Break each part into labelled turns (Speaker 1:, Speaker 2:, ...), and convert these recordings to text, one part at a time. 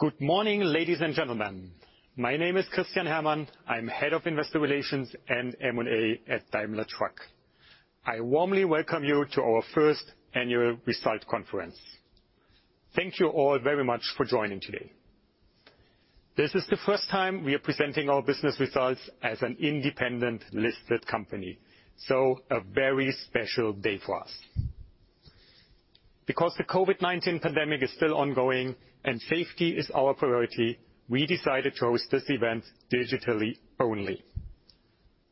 Speaker 1: Good morning, ladies and gentlemen. My name is Christian Herrmann. I'm Head of Investor Relations and M&A at Daimler Truck. I warmly welcome you to our first annual result conference. Thank you all very much for joining today. This is the first time we are presenting our business results as an independent listed company, so a very special day for us. Because the COVID-19 pandemic is still ongoing and safety is our priority, we decided to host this event digitally only.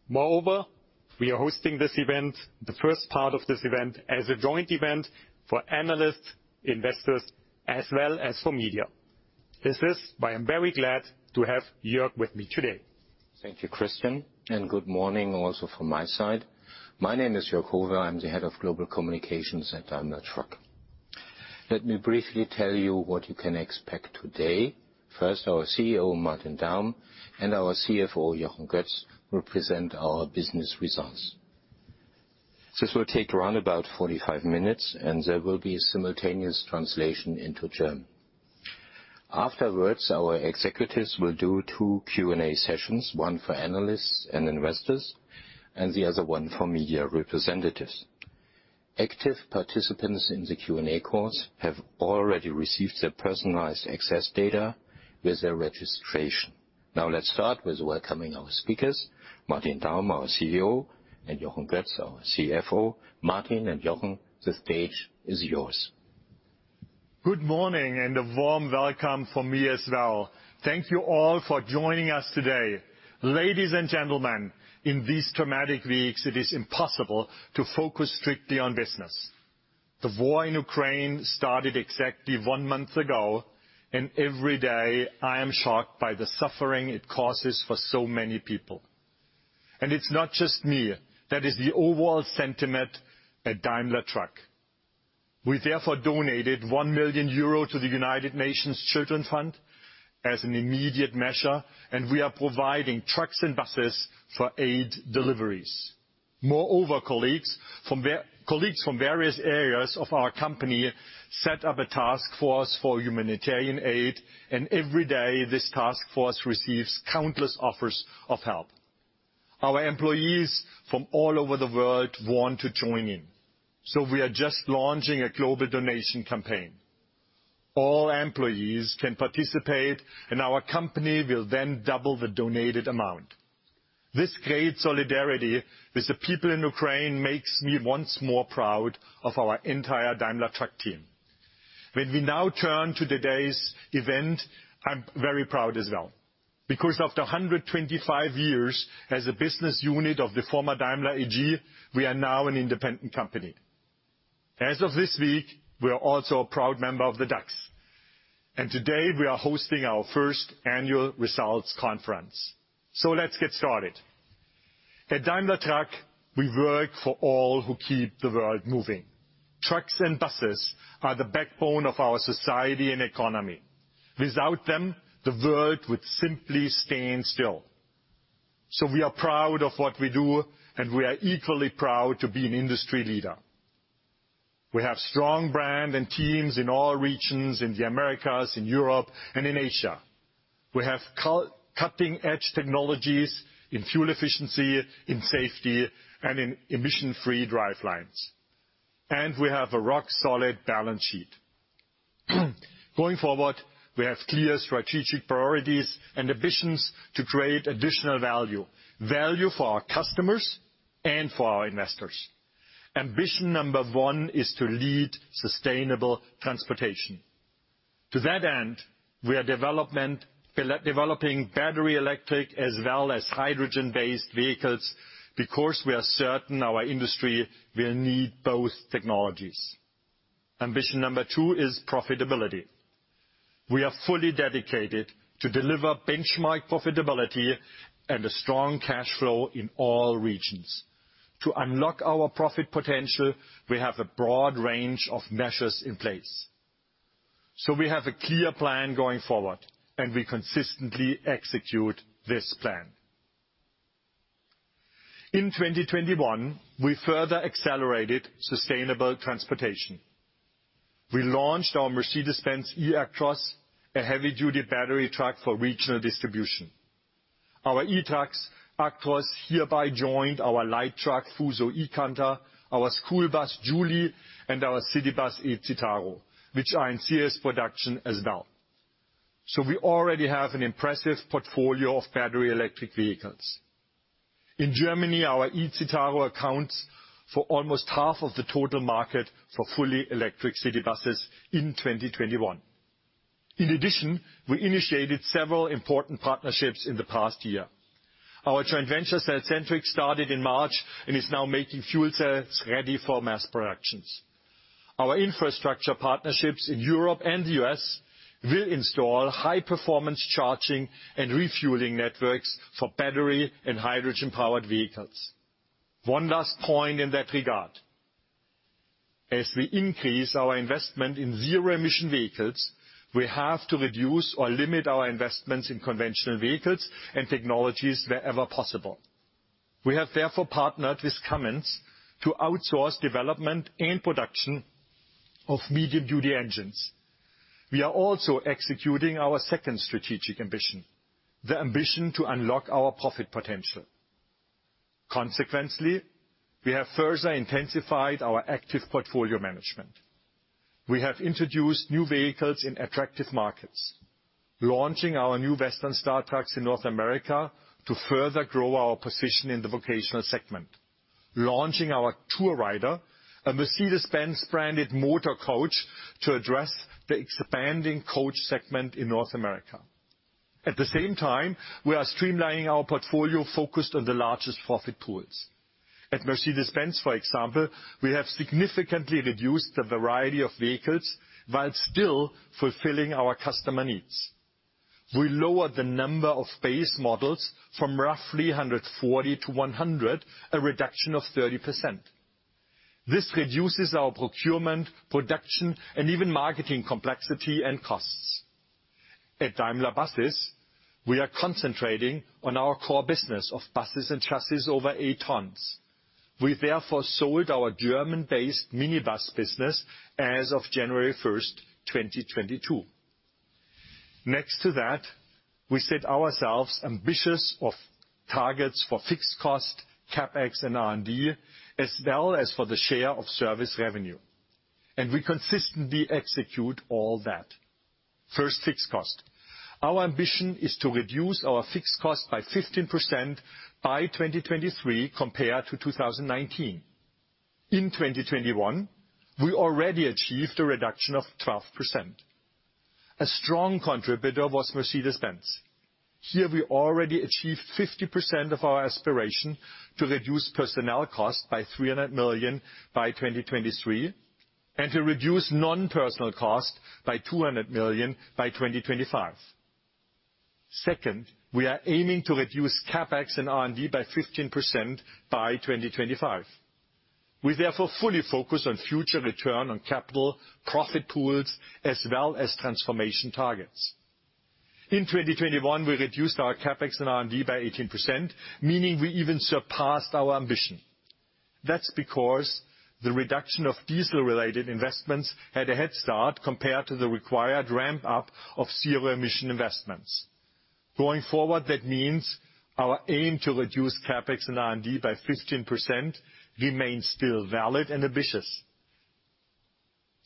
Speaker 1: Moreover, we are hosting this event, the first part of this event, as a joint event for analysts, investors, as well as for media. It is why I'm very glad to have Jörg with me today.
Speaker 2: Thank you, Christian, and good morning also from my side. My name is Jörg Howe. I'm the Head of Global Communications at Daimler Truck. Let me briefly tell you what you can expect today. First, our CEO, Martin Daum, and our CFO, Jochen Götz, will present our business results. This will take around about 45 minutes, and there will be a simultaneous translation into German. Afterwards, our executives will do two Q&A sessions, one for analysts and investors, and the other one for media representatives. Active participants in the Q&A calls have already received their personalized access data with their registration. Now let's start with welcoming our speakers, Martin Daum, our CEO, and Jochen Götz, our CFO. Martin and Jochen, the stage is yours.
Speaker 3: Good morning, and a warm welcome from me as well. Thank you all for joining us today. Ladies and gentlemen, in these traumatic weeks it is impossible to focus strictly on business. The war in Ukraine started exactly one month ago, and every day I am shocked by the suffering it causes for so many people. It's not just me, that is the overall sentiment at Daimler Truck. We therefore donated 1 million euro to the United Nations Children's Fund as an immediate measure, and we are providing trucks and buses for aid deliveries. Moreover, colleagues from various areas of our company set up a task force for humanitarian aid, and every day this task force receives countless offers of help. Our employees from all over the world want to join in. We are just launching a global donation campaign. All employees can participate, and our company will then double the donated amount. This great solidarity with the people in Ukraine makes me once more proud of our entire Daimler Truck team. When we now turn to today's event, I'm very proud as well. Because after 125 years as a business unit of the former Daimler AG, we are now an independent company. As of this week, we are also a proud member of the DAX, and today we are hosting our first annual results conference. Let's get started. At Daimler Truck, we work for all who keep the world moving. Trucks and buses are the backbone of our society and economy. Without them, the world would simply stand still. We are proud of what we do, and we are equally proud to be an industry leader. We have strong brand and teams in all regions, in the Americas, in Europe, and in Asia. We have cutting-edge technologies in fuel efficiency, in safety, and in emission free drivelines. We have a rock solid balance sheet. Going forward, we have clear strategic priorities and ambitions to create additional value for our customers and for our investors. Ambition number one is to lead sustainable transportation. To that end, we are developing battery electric as well as hydrogen-based vehicles, because we are certain our industry will need both technologies. Ambition number two is profitability. We are fully dedicated to deliver benchmark profitability and a strong cash flow in all regions. To unlock our profit potential, we have a broad range of measures in place. We have a clear plan going forward, and we consistently execute this plan. In 2021, we further accelerated sustainable transportation. We launched our Mercedes-Benz eActros, a heavy duty battery truck for regional distribution. Our eActros, Actros hereby joined our light truck Fuso eCanter, our school bus Jouley, and our city bus eCitaro, which are in series production as well. We already have an impressive portfolio of battery electric vehicles. In Germany, our eCitaro accounts for almost half of the total market for fully electric city buses in 2021. In addition, we initiated several important partnerships in the past year. Our joint venture, cellcentric, started in March and is now making fuel cells ready for mass production. Our infrastructure partnerships in Europe and the U.S. will install high performance charging and refueling networks for battery and hydrogen powered vehicles. One last point in that regard. As we increase our investment in zero emission vehicles, we have to reduce or limit our investments in conventional vehicles and technologies wherever possible. We have therefore partnered with Cummins to outsource development and production of medium-duty engines. We are also executing our second strategic ambition, the ambition to unlock our profit potential. Consequently, we have further intensified our active portfolio management. We have introduced new vehicles in attractive markets, launching our new Western Star trucks in North America to further grow our position in the vocational segment, launching our Tourrider, a Mercedes-Benz branded motor coach to address the expanding coach segment in North America. At the same time, we are streamlining our portfolio focused on the largest profit pools. At Mercedes-Benz, for example, we have significantly reduced the variety of vehicles, while still fulfilling our customer needs. We lowered the number of base models from roughly 140 to 100, a reduction of 30%. This reduces our procurement, production, and even marketing complexity and costs. At Daimler Buses, we are concentrating on our core business of buses and chassis over eight tons. We therefore sold our German-based minibus business as of January 1, 2022. Next to that, we set ourselves ambitious targets for fixed cost, CapEx and R&D, as well as for the share of service revenue. We consistently execute all that. First, fixed cost. Our ambition is to reduce our fixed cost by 15% by 2023 compared to 2019. In 2021, we already achieved a reduction of 12%. A strong contributor was Mercedes-Benz. Here we already achieved 50% of our aspiration to reduce personnel costs by 300 million by 2023, and to reduce non-personnel costs by 200 million by 2025. Second, we are aiming to reduce CapEx and R&D by 15% by 2025. We therefore fully focus on future return on capital, profit pools, as well as transformation targets. In 2021, we reduced our CapEx and R&D by 18%, meaning we even surpassed our ambition. That's because the reduction of diesel-related investments had a head start compared to the required ramp-up of zero-emission investments. Going forward, that means our aim to reduce CapEx and R&D by 15% remains still valid and ambitious.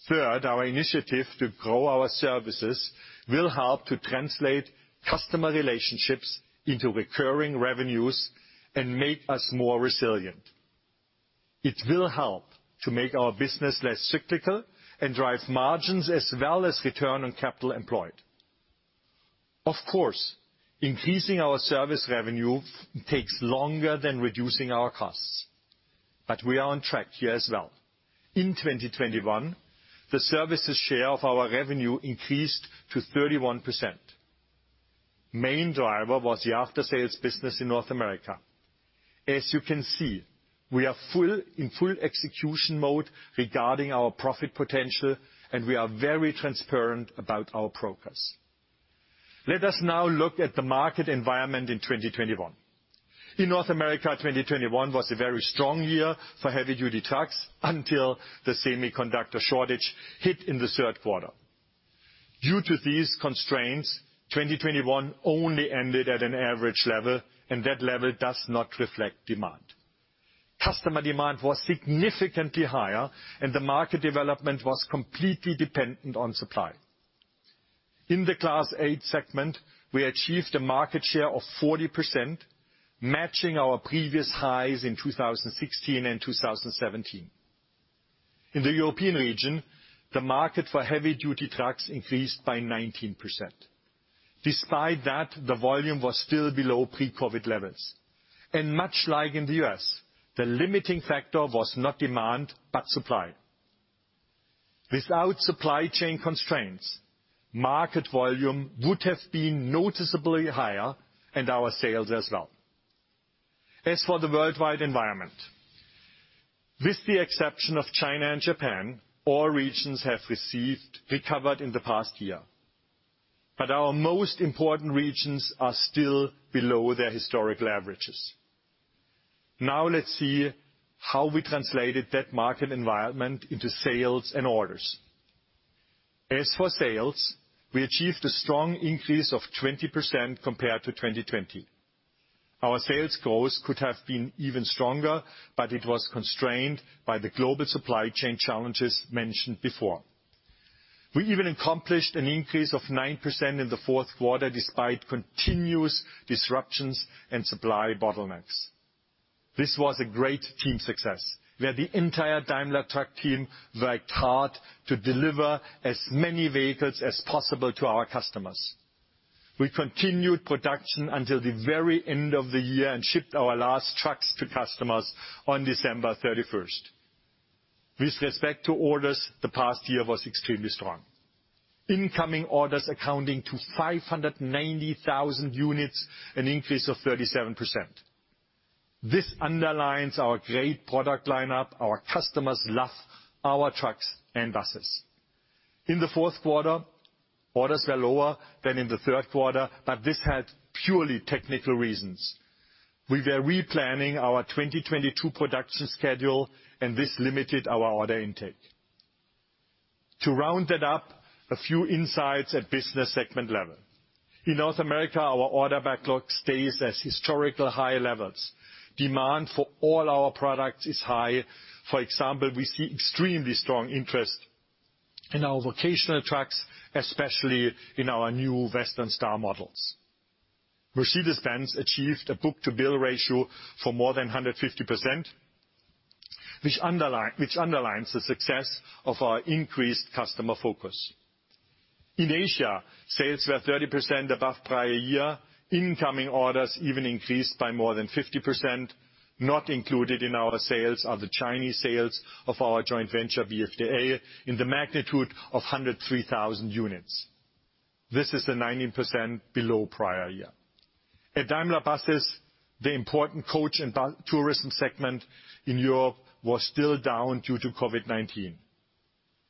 Speaker 3: Third, our initiative to grow our services will help to translate customer relationships into recurring revenues and make us more resilient. It will help to make our business less cyclical and drive margins as well as return on capital employed. Of course, increasing our service revenue takes longer than reducing our costs, but we are on track here as well. In 2021, the services share of our revenue increased to 31%. The main driver was the aftersales business in North America. As you can see, we are in full execution mode regarding our profit potential, and we are very transparent about our progress. Let us now look at the market environment in 2021. In North America, 2021 was a very strong year for heavy-duty trucks until the semiconductor shortage hit in the third quarter. Due to these constraints, 2021 only ended at an average level, and that level does not reflect demand. Customer demand was significantly higher and the market development was completely dependent on supply. In the Class eight segment, we achieved a market share of 40%, matching our previous highs in 2016 and 2017. In the European region, the market for heavy-duty trucks increased by 19%. Despite that, the volume was still below pre-COVID levels. Much like in the U.S., the limiting factor was not demand, but supply. Without supply chain constraints, market volume would have been noticeably higher, and our sales as well. As for the worldwide environment, with the exception of China and Japan, all regions have recovered in the past year. Our most important regions are still below their historic averages. Now let's see how we translated that market environment into sales and orders. As for sales, we achieved a strong increase of 20% compared to 2020. Our sales growth could have been even stronger, but it was constrained by the global supply chain challenges mentioned before. We even accomplished an increase of 9% in the fourth quarter, despite continuous disruptions and supply bottlenecks. This was a great team success, where the entire Daimler Truck team worked hard to deliver as many vehicles as possible to our customers. We continued production until the very end of the year and shipped our last trucks to customers on December 31. With respect to orders, the past year was extremely strong. Incoming orders amounting to 590,000 units, an increase of 37%. This underlines our great product line-up. Our customers love our trucks and buses. In the fourth quarter, orders were lower than in the third quarter, but this had purely technical reasons. We were replanning our 2022 production schedule, and this limited our order intake. To round it up, a few insights at business segment level. In North America, our order backlog stays at historical high levels. Demand for all our products is high. For example, we see extremely strong interest in our vocational trucks, especially in our new Western Star models. Mercedes-Benz achieved a book-to-bill ratio of more than 150%, which underlines the success of our increased customer focus. In Asia, sales were 30% above prior year. Incoming orders even increased by more than 50%. Not included in our sales are the Chinese sales of our joint venture, BFDA, in the magnitude of 103,000 units. This is 90% below prior year. At Daimler Buses, the important coach and bus tourism segment in Europe was still down due to COVID-19.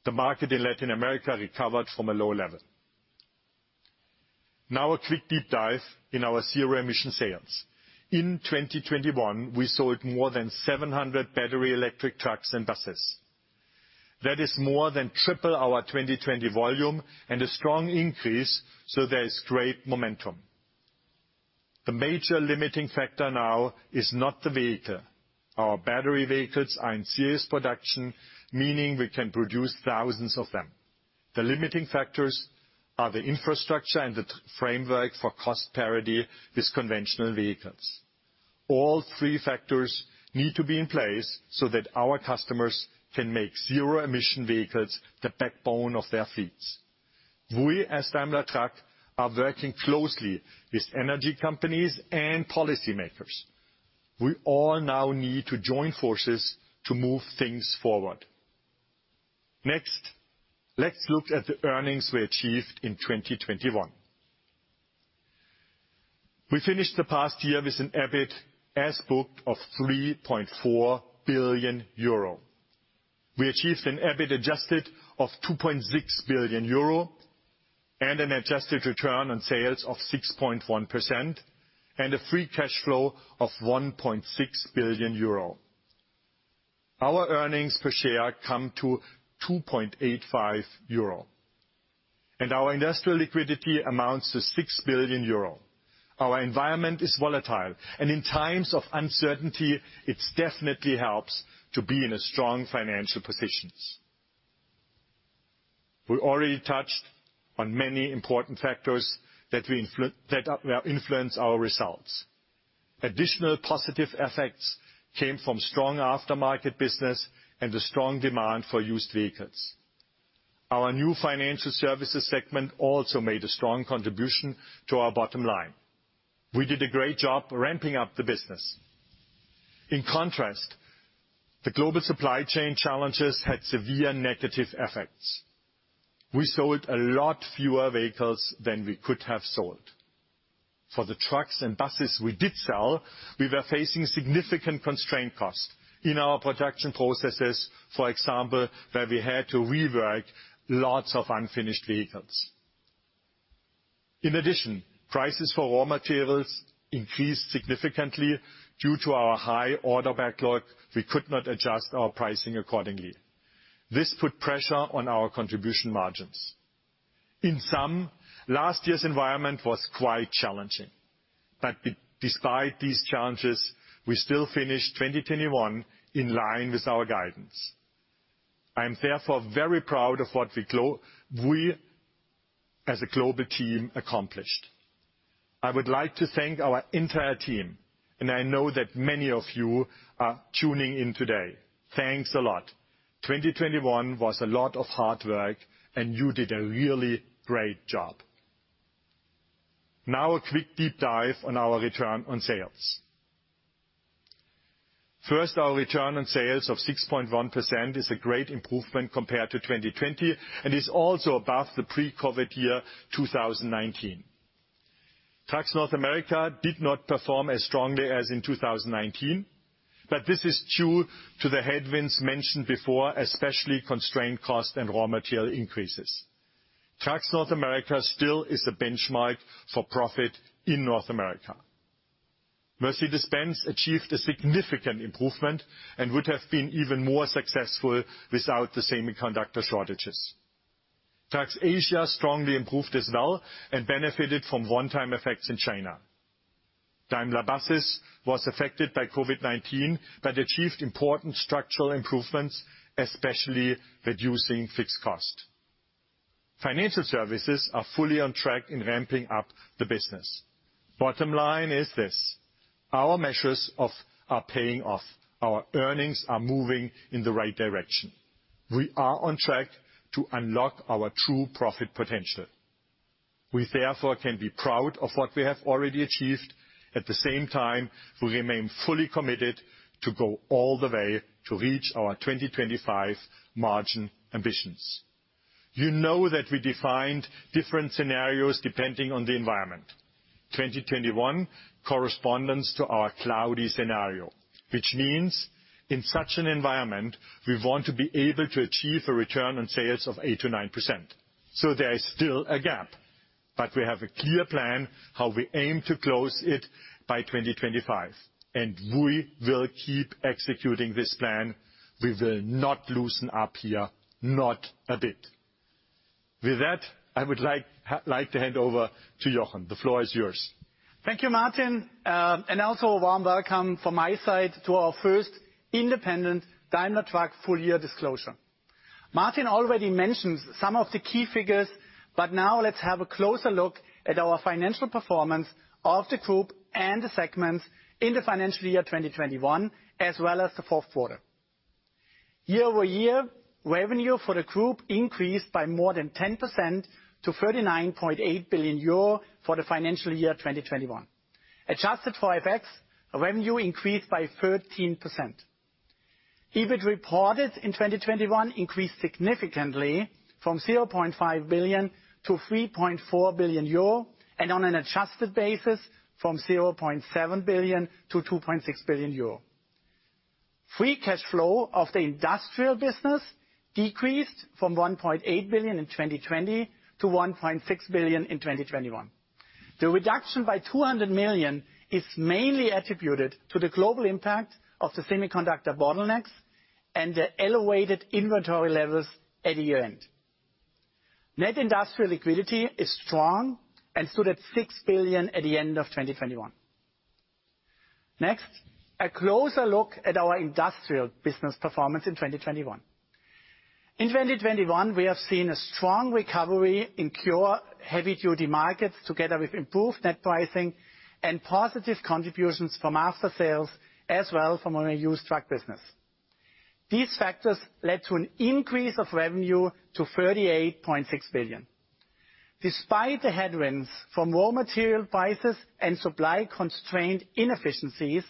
Speaker 3: The market in Latin America recovered from a low level. Now a quick deep dive in our zero-emission sales. In 2021, we sold more than 700 battery-electric trucks and buses. That is more than triple our 2020 volume and a strong increase, so there is great momentum. The major limiting factor now is not the vehicle. Our battery vehicles are in serious production, meaning we can produce thousands of them. The limiting factors are the infrastructure and the framework for cost parity with conventional vehicles. All three factors need to be in place so that our customers can make zero-emission vehicles the backbone of their fleets. We, as Daimler Truck, are working closely with energy companies and policymakers. We all now need to join forces to move things forward. Next, let's look at the earnings we achieved in 2021. We finished the past year with an EBIT as booked of 3.4 billion euro. We achieved an EBIT adjusted of 2.6 billion euro and an adjusted return on sales of 6.1% and a free cash flow of 1.6 billion euro. Our earnings per share come to 2.85 euro and our industrial liquidity amounts to 6 billion euro. Our environment is volatile, and in times of uncertainty, it definitely helps to be in a strong financial positions. We already touched on many important factors that we will influence our results. Additional positive effects came from strong aftermarket business and the strong demand for used vehicles. Our new financial services segment also made a strong contribution to our bottom line. We did a great job ramping up the business. In contrast, the global supply chain challenges had severe negative effects. We sold a lot fewer vehicles than we could have sold. For the trucks and buses we did sell, we were facing significant constraint costs in our production processes, for example, where we had to rework lots of unfinished vehicles. In addition, prices for raw materials increased significantly. Due to our high order backlog, we could not adjust our pricing accordingly. This put pressure on our contribution margins. In sum, last year's environment was quite challenging, but despite these challenges, we still finished 2021 in line with our guidance. I am therefore very proud of what we as a global team accomplished. I would like to thank our entire team, and I know that many of you are tuning in today. Thanks a lot. 2021 was a lot of hard work, and you did a really great job. Now a quick deep dive on our return on sales. First, our return on sales of 6.1% is a great improvement compared to 2020 and is also above the pre-COVID year, 2019. Trucks North America did not perform as strongly as in 2019, but this is due to the headwinds mentioned before, especially constrained costs and raw material increases. Trucks North America still is a benchmark for profit in North America. Mercedes-Benz achieved a significant improvement and would have been even more successful without the semiconductor shortages. Trucks Asia strongly improved as well and benefited from one-time effects in China. Daimler Buses was affected by COVID-19, but achieved important structural improvements, especially reducing fixed costs. Financial services are fully on track in ramping up the business. Bottom line is this: our measures are paying off. Our earnings are moving in the right direction. We are on track to unlock our true profit potential. We therefore can be proud of what we have already achieved. At the same time, we remain fully committed to go all the way to reach our 2025 margin ambitions. You know that we defined different scenarios depending on the environment. 2021 corresponds to our cloudy scenario, which means in such an environment, we want to be able to achieve a return on sales of 8%-9%. There is still a gap, but we have a clear plan how we aim to close it by 2025. We will keep executing this plan. We will not loosen up here, not a bit. With that, I would like to hand over to Jochen. The floor is yours.
Speaker 4: Thank you, Martin. A warm welcome from my side to our first independent Daimler Truck full year disclosure. Martin already mentioned some of the key figures, but now let's have a closer look at our financial performance of the group and the segments in the financial year 2021, as well as the fourth quarter. Year-over-year, revenue for the group increased by more than 10% to 39.8 billion euro for the financial year 2021. Adjusted for effects, revenue increased by 13%. EBIT reported in 2021 increased significantly from 0.5 billion-3.4 billion euro, and on an adjusted basis from 0.7 billion-2.6 billion euro. Free cash flow of the industrial business decreased from 1.8 billion in 2020 to 1.6 billion in 2021. The reduction by 200 million is mainly attributed to the global impact of the semiconductor bottlenecks and the elevated inventory levels at the year-end. Net industrial liquidity is strong and stood at 6 billion at the end of 2021. Next, a closer look at our industrial business performance in 2021. In 2021, we have seen a strong recovery in pure heavy-duty markets together with improved net pricing and positive contributions from after sales, as well from our used truck business. These factors led to an increase of revenue to 38.6 billion. Despite the headwinds from raw material prices and supply constraint inefficiencies,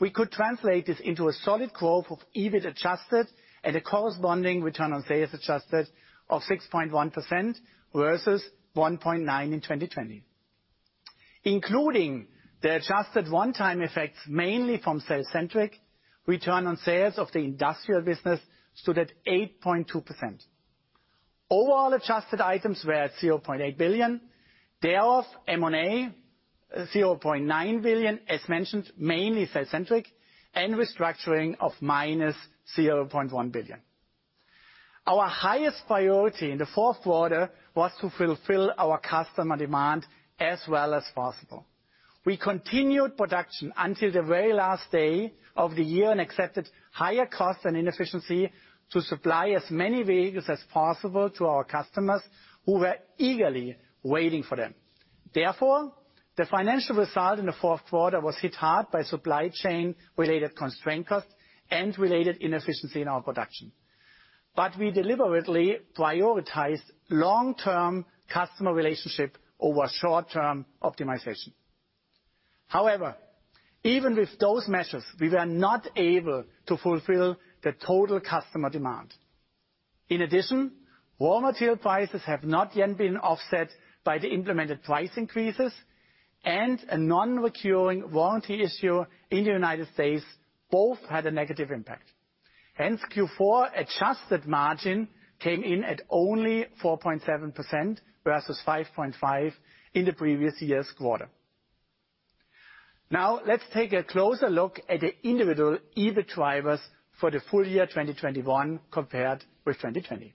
Speaker 4: we could translate this into a solid growth of EBIT adjusted and a corresponding return on sales adjusted of 6.1% versus 1.9% in 2020. Including the adjusted one-time effects mainly from cellcentric, return on sales of the industrial business stood at 8.2%. Overall adjusted items were at 0.8 billion, thereof M&A, 0.9 billion, as mentioned, mainly cellcentric, and restructuring of -0.1 billion. Our highest priority in the fourth quarter was to fulfill our customer demand as well as possible. We continued production until the very last day of the year and accepted higher costs and inefficiency to supply as many vehicles as possible to our customers who were eagerly waiting for them. Therefore, the financial result in the fourth quarter was hit hard by supply chain-related constraint costs and related inefficiency in our production. We deliberately prioritized long-term customer relationship over short-term optimization. However, even with those measures, we were not able to fulfill the total customer demand. In addition, raw material prices have not yet been offset by the implemented price increases, and a non-recurring warranty issue in the United States both had a negative impact. Hence, Q4 adjusted margin came in at only 4.7% versus 5.5% in the previous year's quarter. Now, let's take a closer look at the individual EBIT drivers for the full year 2021 compared with 2020.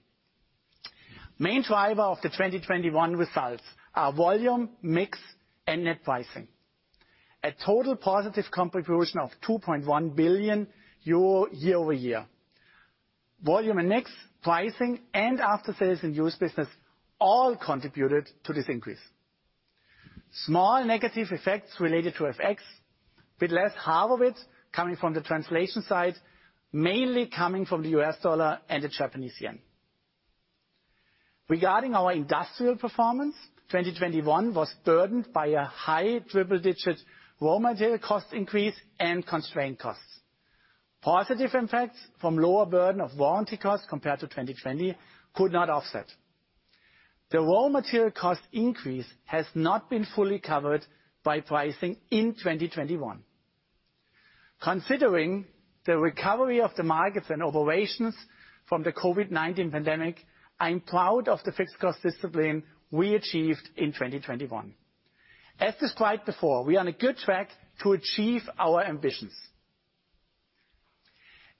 Speaker 4: Main driver of the 2021 results are volume, mix, and net pricing. A total positive contribution of 2.1 billion euro year-over-year. Volume and mix, pricing, and after sales and used business all contributed to this increase. Small negative effects related to FX, with less than half of it coming from the translation side, mainly coming from the US dollar and the Japanese yen. Regarding our industrial performance, 2021 was burdened by a high triple-digit raw material cost increase and constraint costs. Positive effects from lower burden of warranty costs compared to 2020 could not offset. The raw material cost increase has not been fully covered by pricing in 2021. Considering the recovery of the markets and operations from the COVID-19 pandemic, I'm proud of the fixed cost discipline we achieved in 2021. As described before, we are on a good track to achieve our ambitions.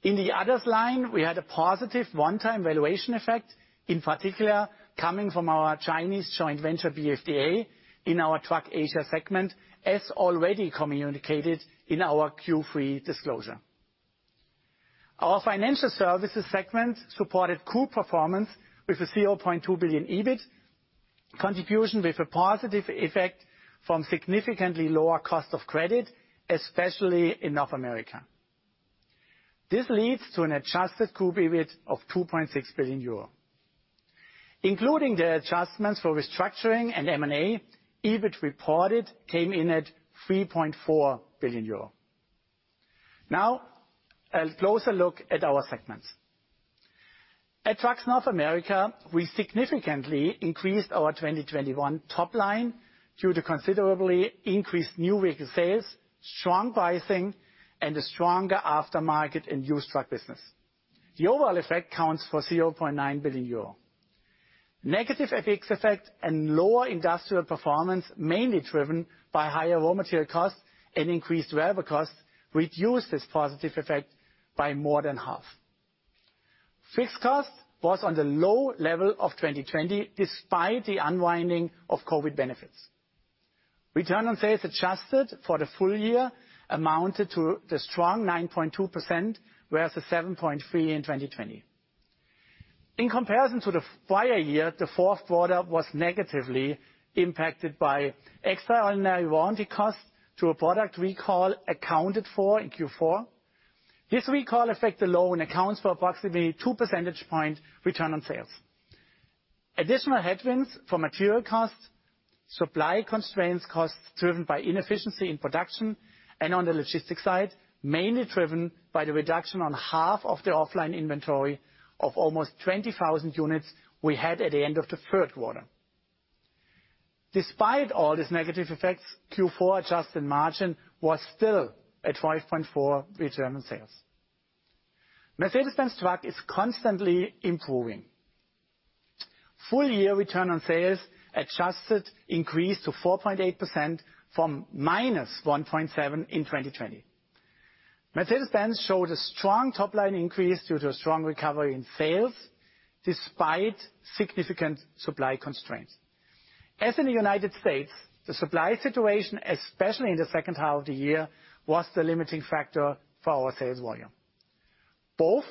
Speaker 4: In the others line, we had a positive one-time valuation effect, in particular, coming from our Chinese joint venture, BFDA, in our Trucks Asia segment, as already communicated in our Q3 disclosure. Our financial services segment supported group performance with a 0.2 billion EBIT contribution with a positive effect from significantly lower cost of credit, especially in North America. This leads to an adjusted group EBIT of 2.6 billion euro. Including the adjustments for restructuring and M&A, EBIT reported came in at 3.4 billion euro. Now, a closer look at our segments. At Trucks North America, we significantly increased our 2021 top line due to considerably increased new vehicle sales, strong pricing, and a stronger aftermarket and used truck business. The overall effect counts for 0.9 billion euro. Negative FX effect and lower industrial performance, mainly driven by higher raw material costs and increased labor costs, reduced this positive effect by more than half. Fixed cost was on the low level of 2020, despite the unwinding of COVID benefits. Return on sales adjusted for the full year amounted to the strong 9.2%, whereas the 7.3% in 2020. In comparison to the prior year, the fourth quarter was negatively impacted by extraordinary warranty costs to a product recall accounted for in Q4. This recall effect alone accounts for approximately two percentage points return on sales. Additional headwinds for material costs, supply constraints costs driven by inefficiency in production and on the logistics side, mainly driven by the reduction on half of the offline inventory of almost 20,000 units we had at the end of the third quarter. Despite all these negative effects, Q4 adjusted margin was still at 5.4 return on sales. Mercedes-Benz Trucks is constantly improving. Full year return on sales adjusted increased to 4.8% from -1.7% in 2020. Mercedes-Benz Trucks showed a strong top-line increase due to a strong recovery in sales despite significant supply constraints. As in the United States, the supply situation, especially in the second half of the year, was the limiting factor for our sales volume. Both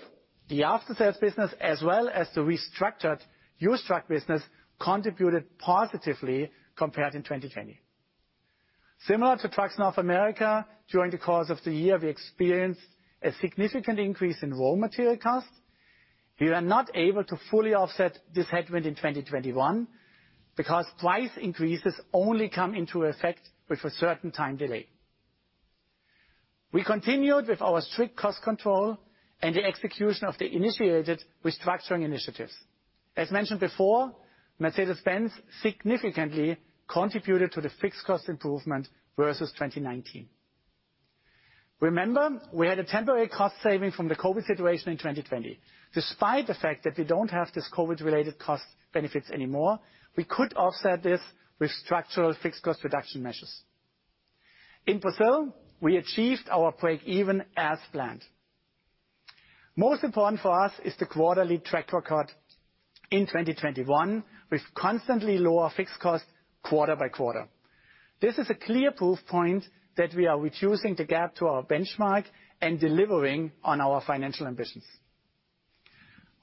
Speaker 4: the after sales business, as well as the restructured used truck business, contributed positively compared in 2020. Similar to Trucks North America, during the course of the year, we experienced a significant increase in raw material costs. We are not able to fully offset this headwind in 2021 because price increases only come into effect with a certain time delay. We continued with our strict cost control and the execution of the initiated restructuring initiatives. As mentioned before, Mercedes-Benz significantly contributed to the fixed cost improvement versus 2019. Remember, we had a temporary cost saving from the COVID situation in 2020. Despite the fact that we don't have these COVID related cost benefits anymore, we could offset this with structural fixed cost reduction measures. In Brazil, we achieved our break-even as planned. Most important for us is the quarterly track record in 2021, with constantly lower fixed costs quarter by quarter. This is a clear proof point that we are reducing the gap to our benchmark and delivering on our financial ambitions.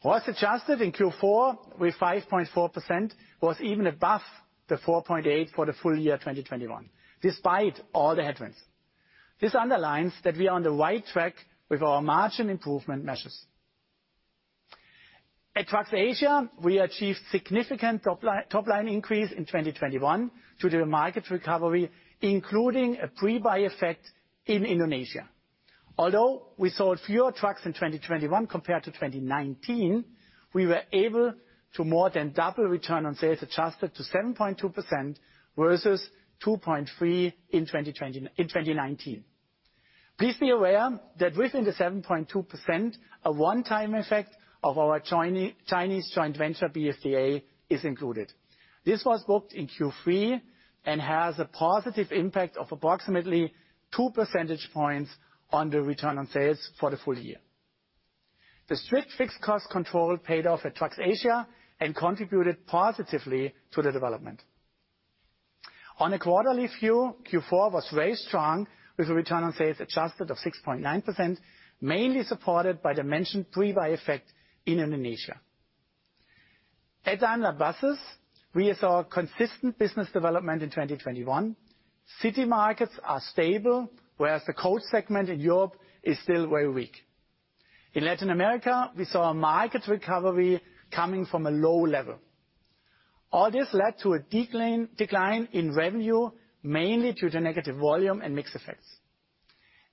Speaker 4: ROAS adjusted in Q4 with 5.4% was even above the 4.8% for the full year 2021, despite all the headwinds. This underlines that we are on the right track with our margin improvement measures. At Trucks Asia, we achieved significant top line increase in 2021 due to the market recovery, including a pre-buy effect in Indonesia. Although we sold fewer trucks in 2021 compared to 2019, we were able to more than double return on sales adjusted to 7.2% versus 2.3% in 2020, in 2019. Please be aware that within the 7.2%, a one-time effect of our Chinese joint venture, BFDA, is included. This was booked in Q3 and has a positive impact of approximately two percentage points on the return on sales for the full year. The strict fixed cost control paid off at Trucks Asia and contributed positively to the development. On a quarterly view, Q4 was very strong, with a return on sales adjusted of 6.9%, mainly supported by the mentioned pre-buy effect in Indonesia. At Daimler Buses, we saw consistent business development in 2021. City markets are stable, whereas the coach segment in Europe is still very weak. In Latin America, we saw a market recovery coming from a low level. All this led to a decline in revenue, mainly due to negative volume and mix effects.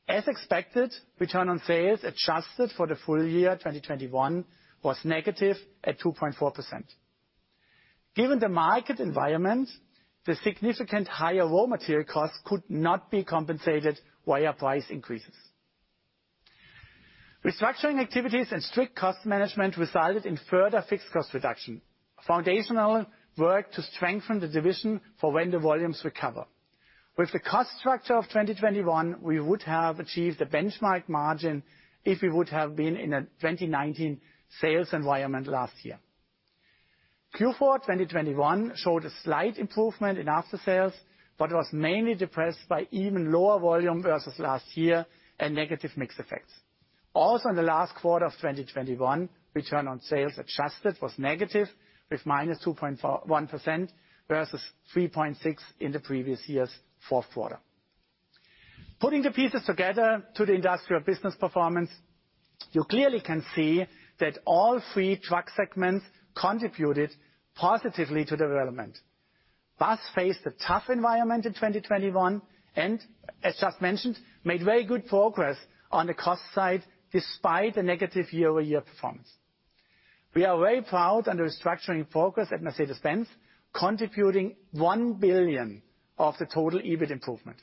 Speaker 4: As expected, Return on Sales adjusted for the full year 2021 was negative at 2.4%. Given the market environment, the significantly higher raw material costs could not be compensated via price increases. Restructuring activities and strict cost management resulted in further fixed cost reduction, foundational work to strengthen the division for when the volumes recover. With the cost structure of 2021, we would have achieved a benchmark margin if we would have been in a 2019 sales environment last year. Q4 of 2021 showed a slight improvement in after sales, but was mainly depressed by even lower volume versus last year and negative mix effects. In the last quarter of 2021, Return on Sales adjusted was negative with -2.41% versus 3.6% in the previous year's fourth quarter. Putting the pieces together to the industrial business performance, you clearly can see that all three truck segments contributed positively to development. Bus faced a tough environment in 2021, and as just mentioned, made very good progress on the cost side despite the negative year-over-year performance. We are very proud of the restructuring progress at Mercedes-Benz, contributing 1 billion of the total EBIT improvement.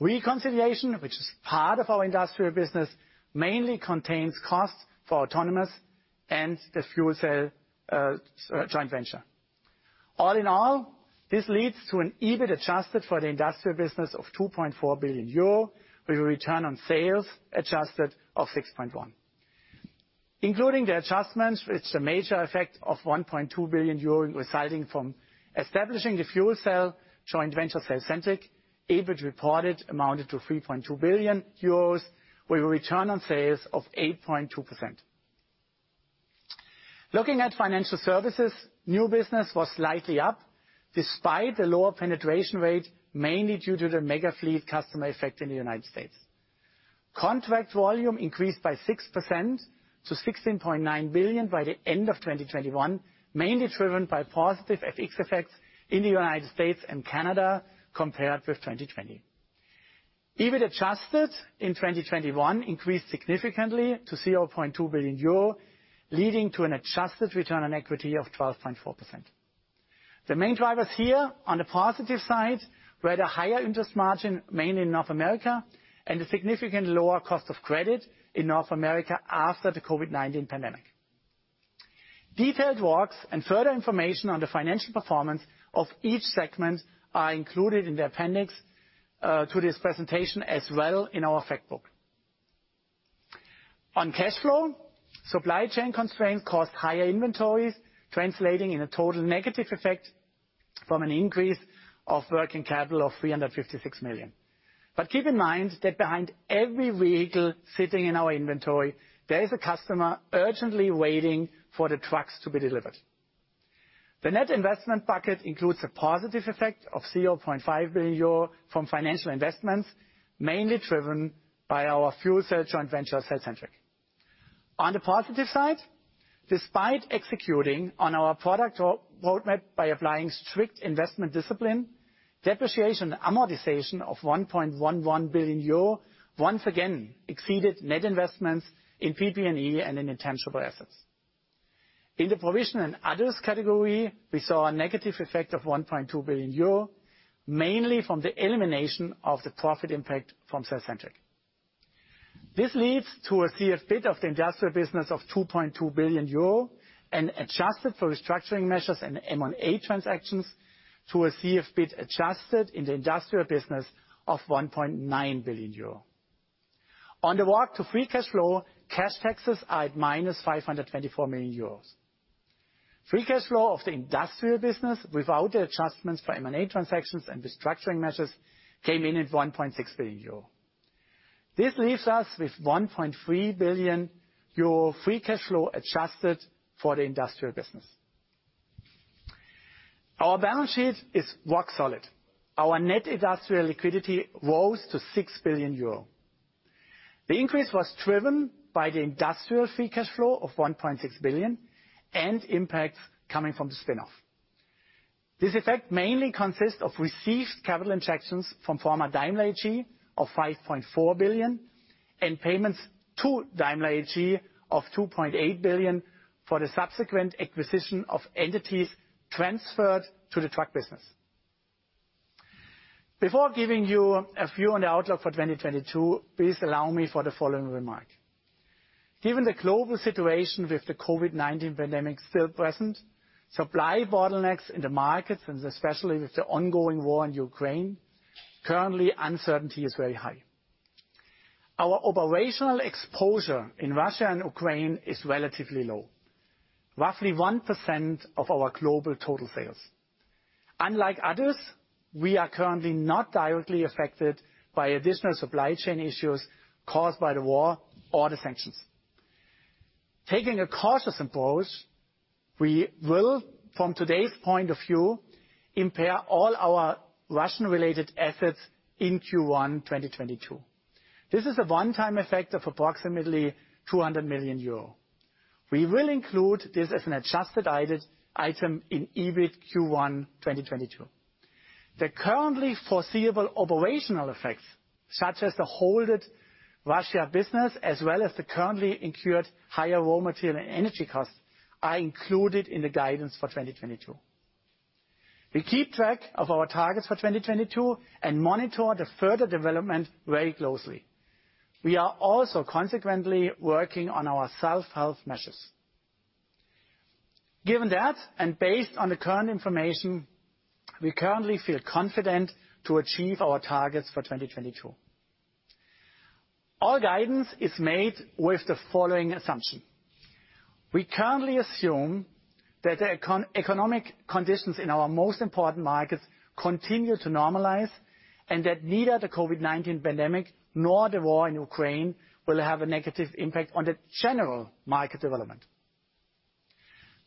Speaker 4: Reconciliation, which is part of our industrial business, mainly contains costs for autonomous and the fuel cell joint venture. All in all, this leads to an EBIT adjusted for the industrial business of 2.4 billion euro, with a return on sales adjusted of 6.1%. Including the adjustments, with the major effect of 1.2 billion euro resulting from establishing the fuel cell joint venture, cellcentric, EBIT reported amounted to 3.2 billion euros, with a return on sales of 8.2%. Looking at financial services, new business was slightly up despite the lower penetration rate, mainly due to the mega fleet customer effect in the United States. Contract volume increased by 6% to 16.9 billion by the end of 2021, mainly driven by positive FX effects in the United States and Canada compared with 2020. EBIT adjusted in 2021 increased significantly to 0.2 billion euro, leading to an adjusted return on equity of 12.4%. The main drivers here on the positive side were the higher interest margin, mainly in North America, and the significant lower cost of credit in North America after the COVID-19 pandemic. Detailed walks and further information on the financial performance of each segment are included in the appendix to this presentation, as well in our fact book. On cash flow, supply chain constraints caused higher inventories, translating in a total negative effect from an increase of working capital of 356 million. Keep in mind that behind every vehicle sitting in our inventory, there is a customer urgently waiting for the trucks to be delivered. The net investment bucket includes a positive effect of 0.5 billion euro from financial investments, mainly driven by our fuel cell joint venture, cellcentric. On the positive side, despite executing on our product roadmap by applying strict investment discipline, depreciation and amortization of 1.11 billion euro once again exceeded net investments in PP&E and in intangible assets. In the provision and others category, we saw a negative effect of 1.2 billion euro, mainly from the elimination of the profit impact from cellcentric. This leads to a CFBIT of the industrial business of 2.2 billion euro and adjusted for restructuring measures and M&A transactions to a CFBIT adjusted in the industrial business of 1.9 billion euro. On the walk to free cash flow, cash taxes are at -524 million euros. Free cash flow of the industrial business, without the adjustments for M&A transactions and restructuring measures, came in at 1.6 billion euro. This leaves us with 1.3 billion euro free cash flow adjusted for the industrial business. Our balance sheet is rock solid. Our net industrial liquidity rose to 6 billion euro. The increase was driven by the industrial free cash flow of 1.6 billion and impacts coming from the spin-off. This effect mainly consists of received capital injections from former Daimler AG of 5.4 billion and payments to Daimler AG of 2.8 billion for the subsequent acquisition of entities transferred to the truck business. Before giving you a view on the outlook for 2022, please allow me for the following remark. Given the global situation with the COVID-19 pandemic still present, supply bottlenecks in the markets, and especially with the ongoing war in Ukraine, currently uncertainty is very high. Our operational exposure in Russia and Ukraine is relatively low, roughly 1% of our global total sales. Unlike others, we are currently not directly affected by additional supply chain issues caused by the war or the sanctions. Taking a cautious approach, we will, from today's point of view, impair all our Russian-related assets in Q1 2022. This is a one-time effect of approximately 200 million euro. We will include this as an adjusted item in EBIT Q1 2022. The currently foreseeable operational effects, such as the halted Russia business as well as the currently incurred higher raw material and energy costs, are included in the guidance for 2022. We keep track of our targets for 2022 and monitor the further development very closely. We are also consequently working on our self-help measures. Given that, and based on the current information, we currently feel confident to achieve our targets for 2022. Our guidance is made with the following assumption. We currently assume that economic conditions in our most important markets continue to normalize, and that neither the COVID-19 pandemic nor the war in Ukraine will have a negative impact on the general market development.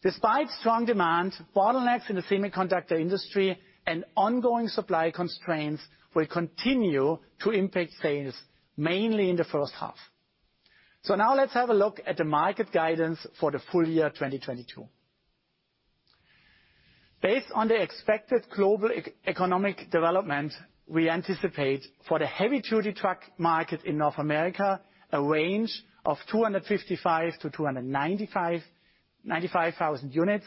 Speaker 4: Despite strong demand, bottlenecks in the semiconductor industry and ongoing supply constraints will continue to impact sales, mainly in the first half. Now let's have a look at the market guidance for the full year 2022. Based on the expected global economic development, we anticipate for the heavy-duty truck market in North America a range of 255,000-295,000 units.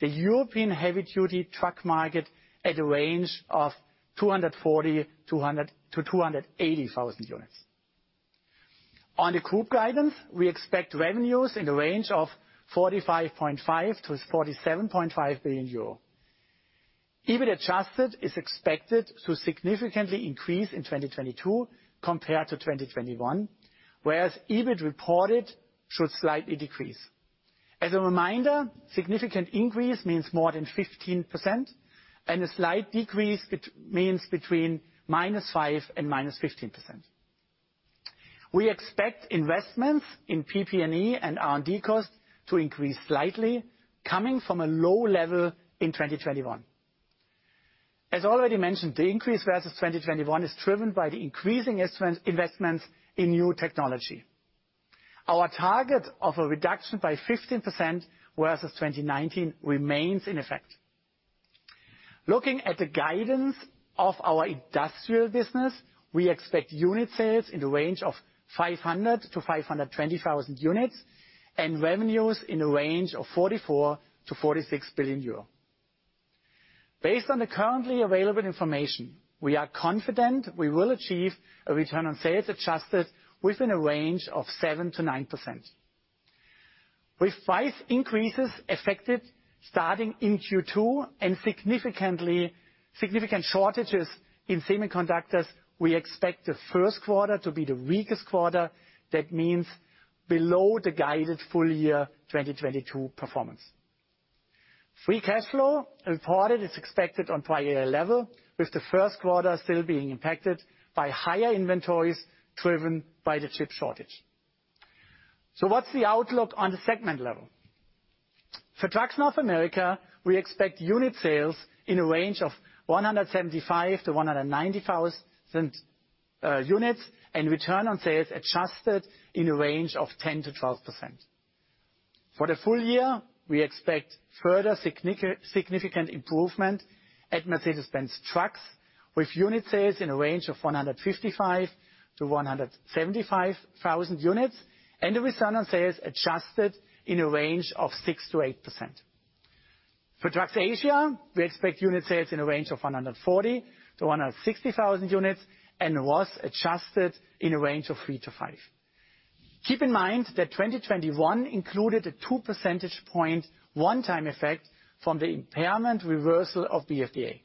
Speaker 4: The European heavy-duty truck market at a range of 240,000-280,000 units. On the group guidance, we expect revenues in the range of 45.5 billion-47.5 billion euro. EBIT adjusted is expected to significantly increase in 2022 compared to 2021, whereas EBIT reported should slightly decrease. As a reminder, significant increase means more than 15%, and a slight decrease means between -5% and -15%. We expect investments in PP&E and R&D costs to increase slightly, coming from a low level in 2021. As already mentioned, the increase versus 2021 is driven by the increasing investments in new technology. Our target of a reduction by 15% versus 2019 remains in effect. Looking at the guidance of our industrial business, we expect unit sales in the range of 500-520,000 units and revenues in the range of 44 billion-46 billion euro. Based on the currently available information, we are confident we will achieve a return on sales adjusted within a range of 7%-9%. With price increases effective starting in Q2 and significant shortages in semiconductors, we expect the first quarter to be the weakest quarter. That means below the guided full year 2022 performance. Free cash flow reported is expected on prior level, with the first quarter still being impacted by higher inventories driven by the chip shortage. What's the outlook on the segment level? For Trucks North America, we expect unit sales in a range of 175,000-190,000 units and return on sales adjusted in a range of 10%-12%. For the full year, we expect further significant improvement at Mercedes-Benz Trucks with unit sales in a range of 155,000-175,000 units and a return on sales adjusted in a range of 6%-8%. For Trucks Asia, we expect unit sales in a range of 140,000-160,000 units and ROAS adjusted in a range of 3%-5%. Keep in mind that 2021 included a two percentage point one-time effect from the impairment reversal of BFDA.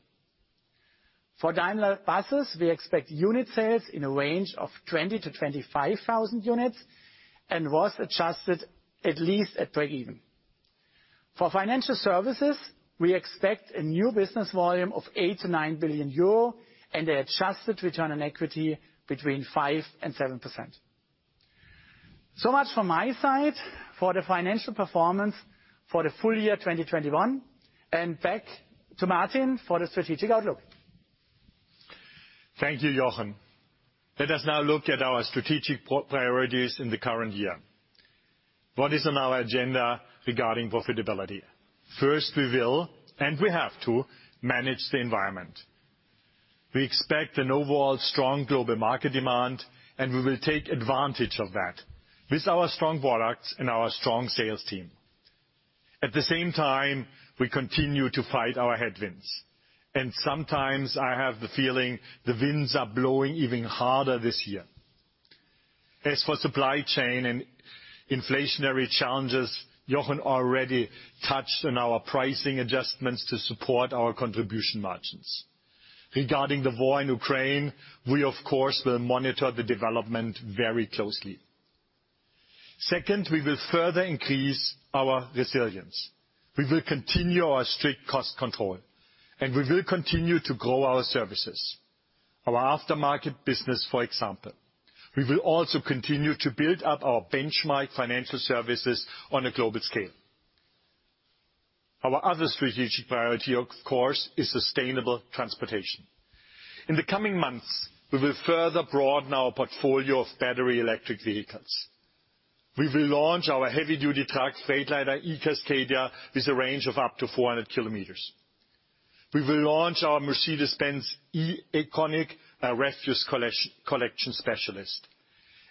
Speaker 4: For Daimler Buses, we expect unit sales in a range of 20,000-25,000 units and ROAS adjusted at least at break even. For financial services, we expect a new business volume of 8 billion-9 billion euro and adjusted return on equity between 5% and 7%. Much from my side for the financial performance for the full year 2021. Back to Martin for the strategic outlook.
Speaker 3: Thank you, Jochen. Let us now look at our strategic priorities in the current year. What is on our agenda regarding profitability? First, we will, and we have to, manage the environment. We expect an overall strong global market demand, and we will take advantage of that with our strong products and our strong sales team. At the same time, we continue to fight our headwinds, and sometimes I have the feeling the winds are blowing even harder this year. As for supply chain and inflationary challenges, Jochen already touched on our pricing adjustments to support our contribution margins. Regarding the war in Ukraine, we of course will monitor the development very closely. Second, we will further increase our resilience. We will continue our strict cost control, and we will continue to grow our services, our aftermarket business, for example. We will also continue to build up our benchmark financial services on a global scale. Our other strategic priority, of course, is sustainable transportation. In the coming months, we will further broaden our portfolio of battery electric vehicles. We will launch our heavy-duty truck Freightliner eCascadia with a range of up to 400 km. We will launch our Mercedes-Benz eEconic, our refuse collection specialist,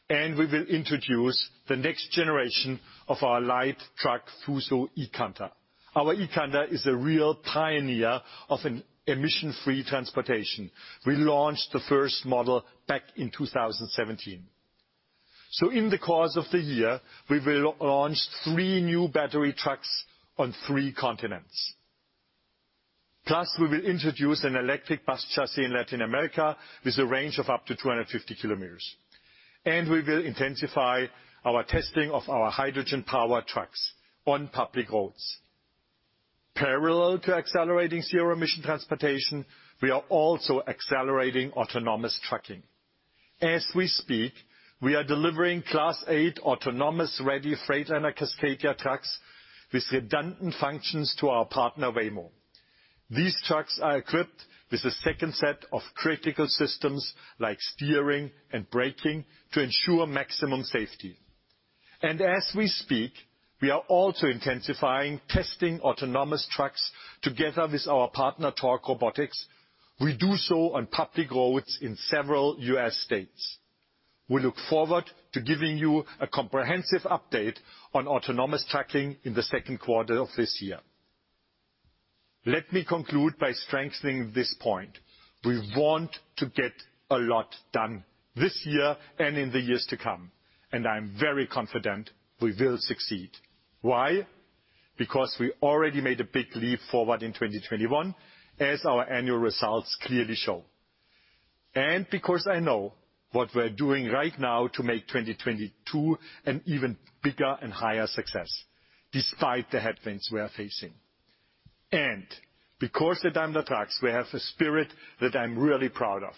Speaker 3: and we will introduce the next generation of our light truck FUSO eCanter. Our eCanter is a real pioneer of an emission-free transportation. We launched the first model back in 2017. In the course of the year, we will launch three new battery trucks on three continents. We will introduce an electric bus chassis in Latin America with a range of up to 250 km, and we will intensify our testing of our hydrogen-powered trucks on public roads. Parallel to accelerating zero-emission transportation, we are also accelerating autonomous trucking. As we speak, we are delivering Class eight autonomous-ready Freightliner Cascadia trucks with redundant functions to our partner, Waymo. These trucks are equipped with a second set of critical systems like steering and braking to ensure maximum safety. As we speak, we are also intensifying testing autonomous trucks together with our partner, Torc Robotics. We do so on public roads in several U.S. states. We look forward to giving you a comprehensive update on autonomous trucking in the second quarter of this year. Let me conclude by strengthening this point. We want to get a lot done this year and in the years to come, and I am very confident we will succeed. Why? Because we already made a big leap forward in 2021, as our annual results clearly show. Because I know what we're doing right now to make 2022 an even bigger and higher success, despite the headwinds we are facing. Because at Daimler Truck, we have a spirit that I'm really proud of.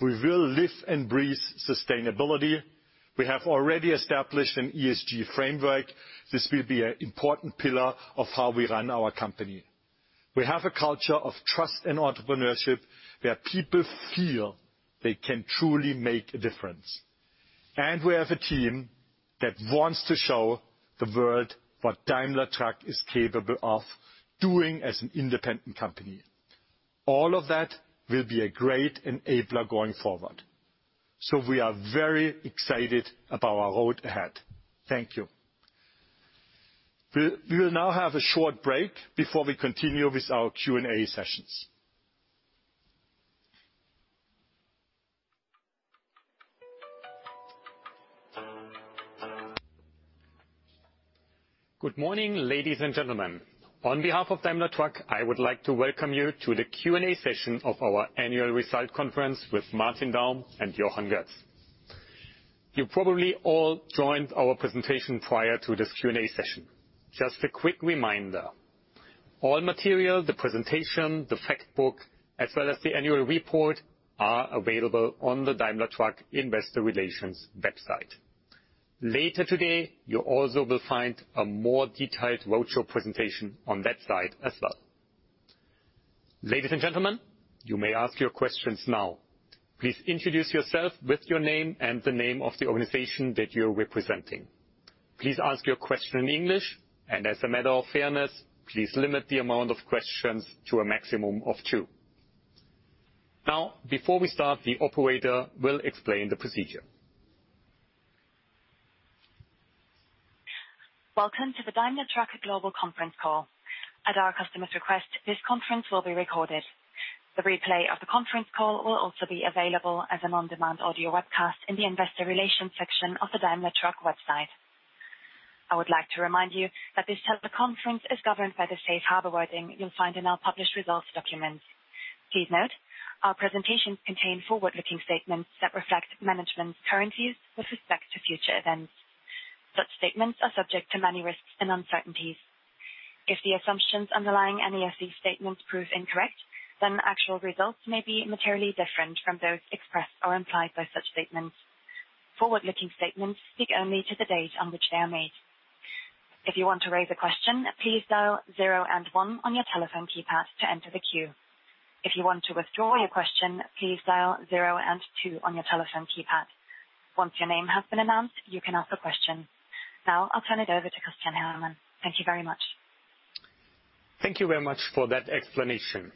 Speaker 3: We will live and breathe sustainability. We have already established an ESG framework. This will be an important pillar of how we run our company. We have a culture of trust and entrepreneurship, where people feel they can truly make a difference. We have a team that wants to show the world what Daimler Truck is capable of doing as an independent company. All of that will be a great enabler going forward. We are very excited about our road ahead. Thank you. We will now have a short break before we continue with our Q&A sessions.
Speaker 1: Good morning, ladies and gentlemen. On behalf of Daimler Truck, I would like to welcome you to the Q&A session of our annual results conference with Martin Daum and Jochen Götz. You probably all joined our presentation prior to this Q&A session. Just a quick reminder. All material, the presentation, the fact book, as well as the annual report, are available on the Daimler Truck Investor Relations website. Later today, you also will find a more detailed roadshow presentation on that site as well. Ladies and gentlemen, you may ask your questions now. Please introduce yourself with your name and the name of the organization that you're representing. Please ask your question in English, and as a matter of fairness, please limit the amount of questions to a maximum of two. Now, before we start, the operator will explain the procedure.
Speaker 5: Welcome to the Daimler Truck global conference call. At our customer's request, this conference will be recorded. The replay of the conference call will also be available as an on-demand audio webcast in the investor relations section of the Daimler Truck website. I would like to remind you that this teleconference is governed by the safe harbor wording you'll find in our published results documents. Please note, our presentations contain forward-looking statements that reflect management's current views with respect to future events. Such statements are subject to many risks and uncertainties. If the assumptions underlying any such statements prove incorrect, then actual results may be materially different from those expressed or implied by such statements. Forward-looking statements speak only to the date on which they are made. If you want to raise a question, please dial zero and one on your telephone keypad to enter the queue. Now, I'll turn it over to Christian Herrmann. Thank you very much.
Speaker 1: Thank you very much for that explanation.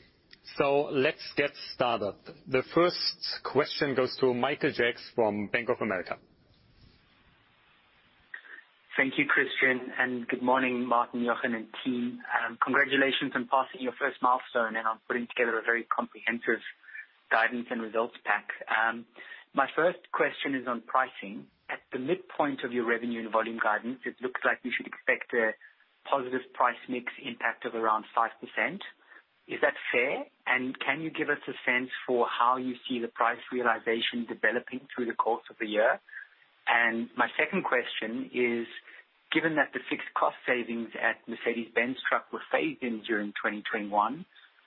Speaker 1: Let's get started. The first question goes to Michael Jacks from Bank of America.
Speaker 6: Thank you, Christian, and good morning, Martin, Jochen, and team. Congratulations on passing your first milestone and on putting together a very comprehensive guidance and results pack. My first question is on pricing. At the midpoint of your revenue and volume guidance, it looks like we should expect a positive price mix impact of around 5%. Is that fair? Can you give us a sense for how you see the price realization developing through the course of the year? My second question is, given that the fixed cost savings at Mercedes-Benz Trucks were phased in during 2021,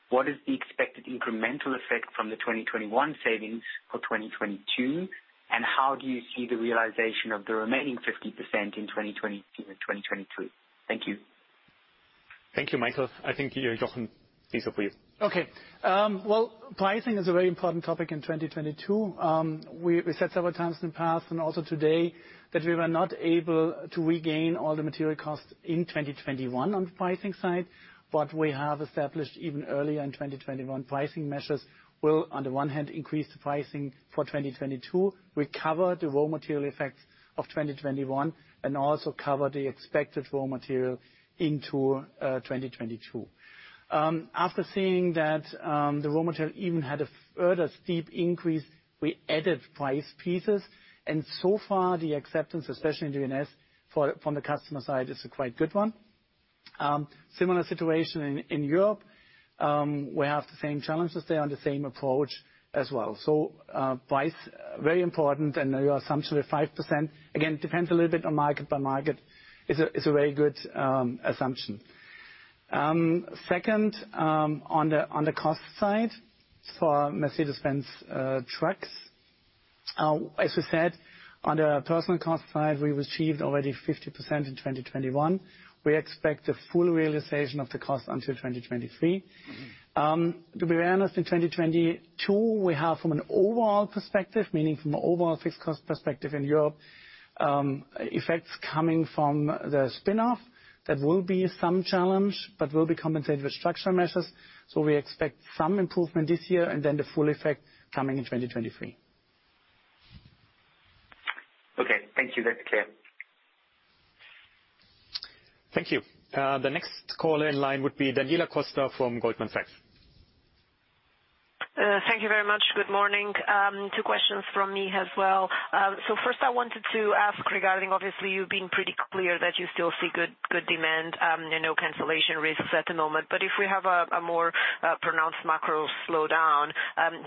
Speaker 6: what is the expected incremental effect from the 2021 savings for 2022, and how do you see the realization of the remaining 50% in 2021 and 2022? Thank you.
Speaker 1: Thank you, Michael. I think, Jochen, these are for you.
Speaker 4: Well, pricing is a very important topic in 2022. We said several times in the past and also today that we were not able to regain all the material costs in 2021 on pricing side, but we have established even earlier in 2021 pricing measures will, on the one hand, increase the pricing for 2022, recover the raw material effects of 2021, and also cover the expected raw material into 2022. After seeing that the raw material even had a further steep increase, we added price increases. So far, the acceptance, especially in the U.S., from the customer side, is quite good. Similar situation in Europe. We have the same challenges there and the same approach as well. Price, very important, and your assumption with 5%, again, depends a little bit on market by market. It's a very good assumption. Second, on the cost side, for Mercedes-Benz Trucks, as we said, on the personnel cost side, we've achieved already 50% in 2021. We expect a full realization of the cost until 2023. To be honest, in 2022, we have from an overall perspective, meaning from an overall fixed cost perspective in Europe, effects coming from the spin-off. That will be some challenge, but will be compensated with structural measures. We expect some improvement this year, and then the full effect coming in 2023.
Speaker 6: Okay, thank you. That's clear.
Speaker 1: Thank you. The next caller in line would be Daniela Costa from Goldman Sachs.
Speaker 7: Thank you very much. Good morning. Two questions from me as well. So first I wanted to ask regarding, obviously, you being pretty clear that you still see good demand, and no cancellation risks at the moment. But if we have a more pronounced macro slowdown,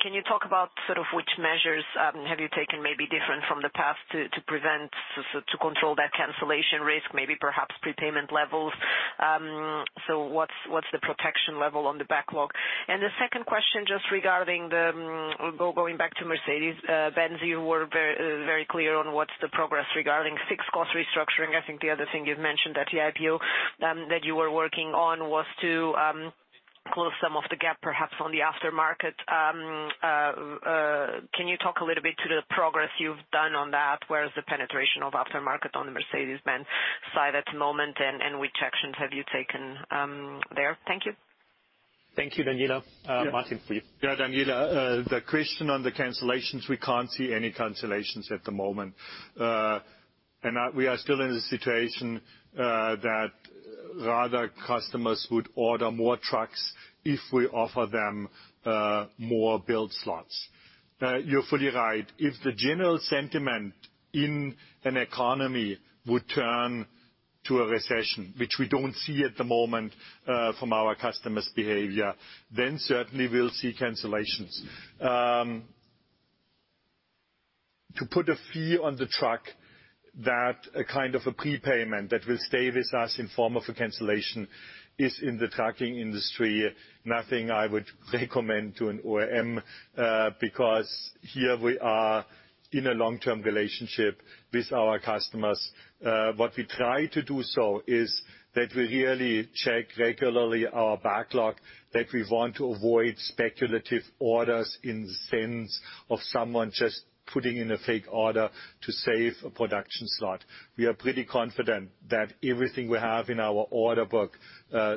Speaker 7: can you talk about sort of which measures have you taken maybe different from the past to prevent so to control that cancellation risk, maybe perhaps prepayment levels? So what's the protection level on the backlog? And the second question just regarding the going back to Mercedes-Benz, you were very clear on what's the progress regarding fixed cost restructuring. I think the other thing you've mentioned at the IPO, that you were working on was to close some of the gap, perhaps on the aftermarket. Can you talk a little bit to the progress you've done on that? Where is the penetration of aftermarket on the Mercedes-Benz side at the moment, and which actions have you taken there? Thank you.
Speaker 1: Thank you, Daniela. Martin, for you.
Speaker 3: Yeah, Daniela, the question on the cancellations, we can't see any cancellations at the moment. We are still in a situation that rather customers would order more trucks if we offer them more build slots. You're fully right. If the general sentiment in an economy would turn to a recession, which we don't see at the moment from our customers' behavior, then certainly we'll see cancellations. To put a fee on the truck, that kind of a prepayment that will stay with us in form of a cancellation is in the trucking industry nothing I would recommend to an OEM, because here we are in a long-term relationship with our customers. What we try to do so is that we really check regularly our backlog, that we want to avoid speculative orders in the sense of someone just putting in a fake order to save a production slot. We are pretty confident that everything we have in our order book,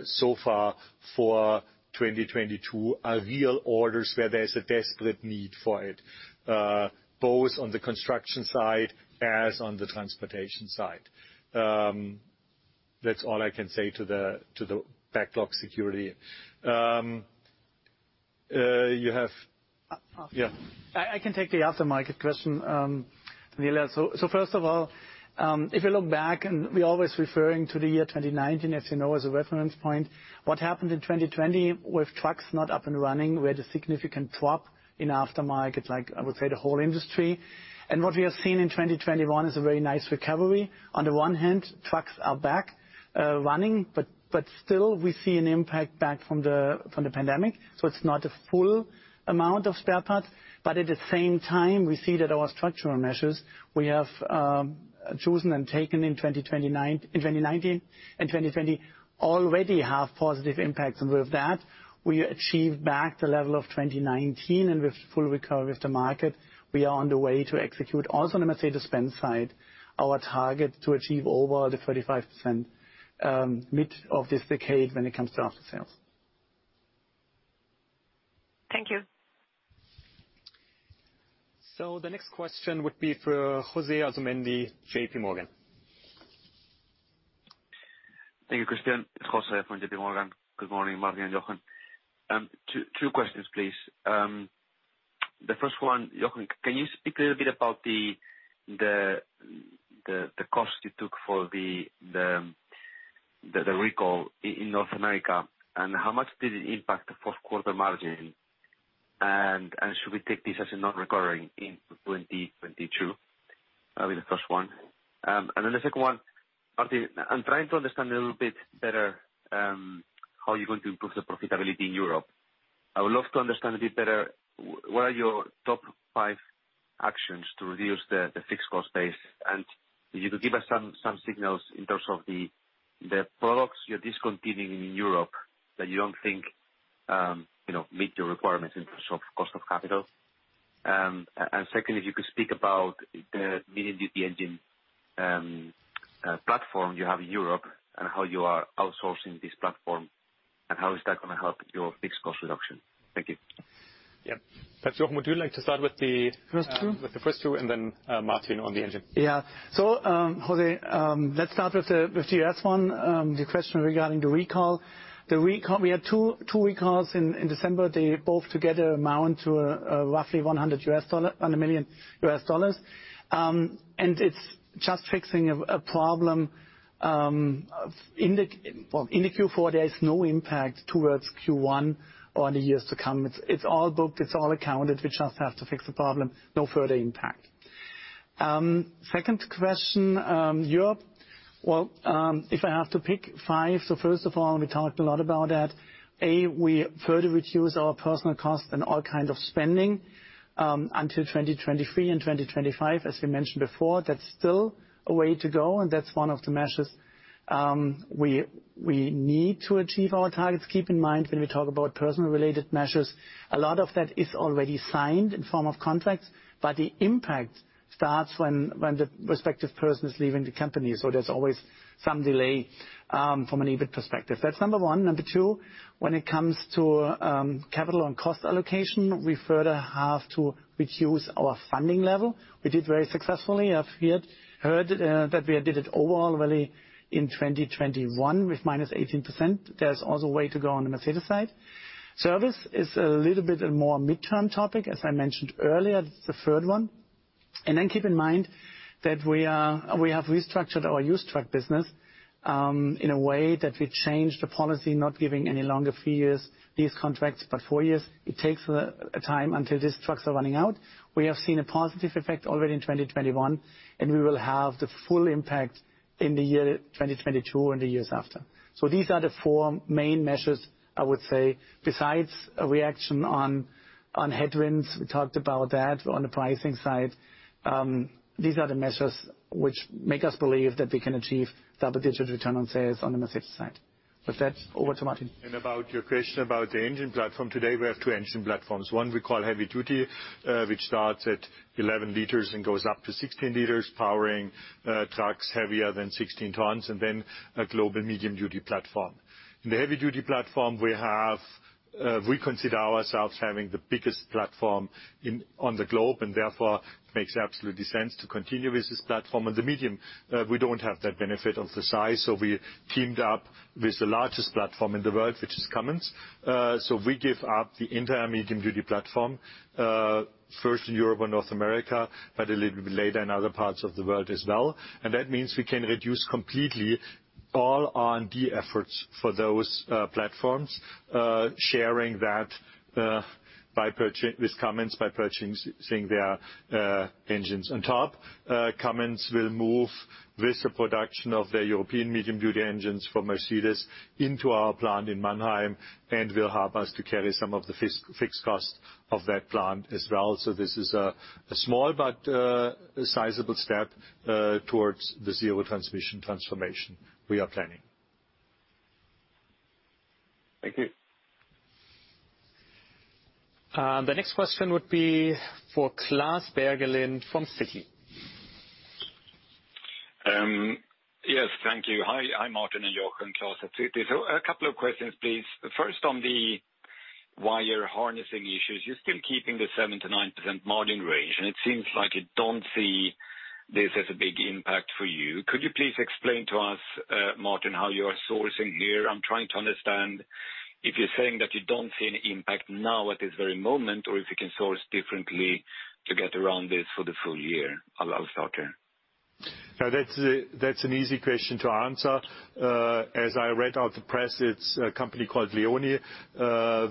Speaker 3: so far for 2022 are real orders where there's a desperate need for it, both on the construction side as on the transportation side. That's all I can say to the backlog security. You have...
Speaker 4: Oh.
Speaker 3: Yeah.
Speaker 4: I can take the aftermarket question, Daniela. First of all, if you look back and we're always referring to the year 2019, as you know, as a reference point, what happened in 2020 with trucks not up and running, we had a significant drop in aftermarket, like I would say the whole industry. What we have seen in 2021 is a very nice recovery. On the one hand, trucks are back running, but still we see an impact back from the pandemic. It's not a full amount of spare part. At the same time, we see that our structural measures we have chosen and taken in 2019 and 2020 already have positive impacts. With that, we achieve back the level of 2019. With full recovery of the market, we are on the way to execute also on the Mercedes-Benz side our target to achieve over the 35%, mid of this decade when it comes to after sales.
Speaker 7: Thank you.
Speaker 1: The next question would be for Jose Asumendi, JPMorgan.
Speaker 8: Thank you, Christian. It's José from JPMorgan. Good morning, Martin and Jochen. Two questions, please. The first one, Jochen, can you speak a little bit about the cost you took for the recall in North America, and how much did it impact the fourth quarter margin? Should we take this as a non-recurring in 2022? Will be the first one. The second one, Martin, I'm trying to understand a little bit better how you're going to improve the profitability in Europe. I would love to understand a bit better what are your top five actions to reduce the fixed cost base? If you could give us some signals in terms of the products you're discontinuing in Europe that you don't think, you know, meet your requirements in terms of cost of capital. Second, if you could speak about the medium-duty engine platform you have in Europe and how you are outsourcing this platform and how is that gonna help your fixed cost reduction. Thank you.
Speaker 1: Jochen, would you like to start with the
Speaker 4: First two.
Speaker 1: With the first two, and then, Martin on the engine.
Speaker 4: José, let's start with the U.S. one. The question regarding the recall. The recall, we had two recalls in December. They both together amount to roughly $1 million. It's just fixing a problem in Q4. There is no impact towards Q1 or in the years to come. It's all booked, it's all accounted. We just have to fix the problem. No further impact. Second question, Europe. Well, if I have to pick five, first of all, we talked a lot about that. A, we further reduce our personnel cost and all kinds of spending until 2023 and 2025. As we mentioned before, that's still a way to go, and that's one of the measures we need to achieve our targets. Keep in mind when we talk about personnel-related measures, a lot of that is already signed in the form of contracts, but the impact starts when the respective person is leaving the company. So there's always some delay from an EBIT perspective. That's number one. Number two, when it comes to capital and cost allocation, we further have to reduce our funding level. We did very successfully. I've heard that we did it overall really in 2021 with -18%. There's also a way to go on the Mercedes side. Service is a little bit a more midterm topic, as I mentioned earlier, the third one. Then keep in mind that we have restructured our used truck business in a way that we changed the policy, not giving any longer three years lease contracts, but four years. It takes a time until these trucks are running out. We have seen a positive effect already in 2021, and we will have the full impact in the year 2022 and the years after. These are the four main measures, I would say. Besides a reaction on headwinds, we talked about that on the pricing side. These are the measures which make us believe that we can achieve double-digit return on sales on the Mercedes side. With that, over to Martin.
Speaker 3: About your question about the engine platform. Today, we have two engine platforms. One we call heavy-duty, which starts at 11 liters and goes up to 16 liters, powering trucks heavier than 16 tons, and then a global medium-duty platform. In the heavy-duty platform, we have, we consider ourselves having the biggest platform in, on the globe, and therefore it makes absolute sense to continue with this platform. In the medium, we don't have that benefit of the size, so we teamed up with the largest platform in the world, which is Cummins. So we give up the entire medium-duty platform, first in Europe and North America, but a little bit later in other parts of the world as well. That means we can reduce completely all R&D efforts for those platforms sharing that by purchasing their engines on top with Cummins. Cummins will move with the production of their European medium-duty engines for Mercedes into our plant in Mannheim and will help us to carry some of the fixed costs of that plant as well. This is a small but sizable step towards the zero emission transformation we are planning.
Speaker 8: Thank you.
Speaker 4: The next question would be for Klas Bergelind from Citi.
Speaker 9: Yes, thank you. Hi, hi, Martin and Jochen. Klas at Citi. A couple of questions, please. First, on the wire harness issues, you're still keeping the 7%-9% margin range, and it seems like you don't see this as a big impact for you. Could you please explain to us, Martin, how you are sourcing here? I'm trying to understand if you're saying that you don't see any impact now at this very moment, or if you can source differently to get around this for the full year. I'll start here.
Speaker 3: No, that's an easy question to answer. As I read out the press, it's a company called LEONI,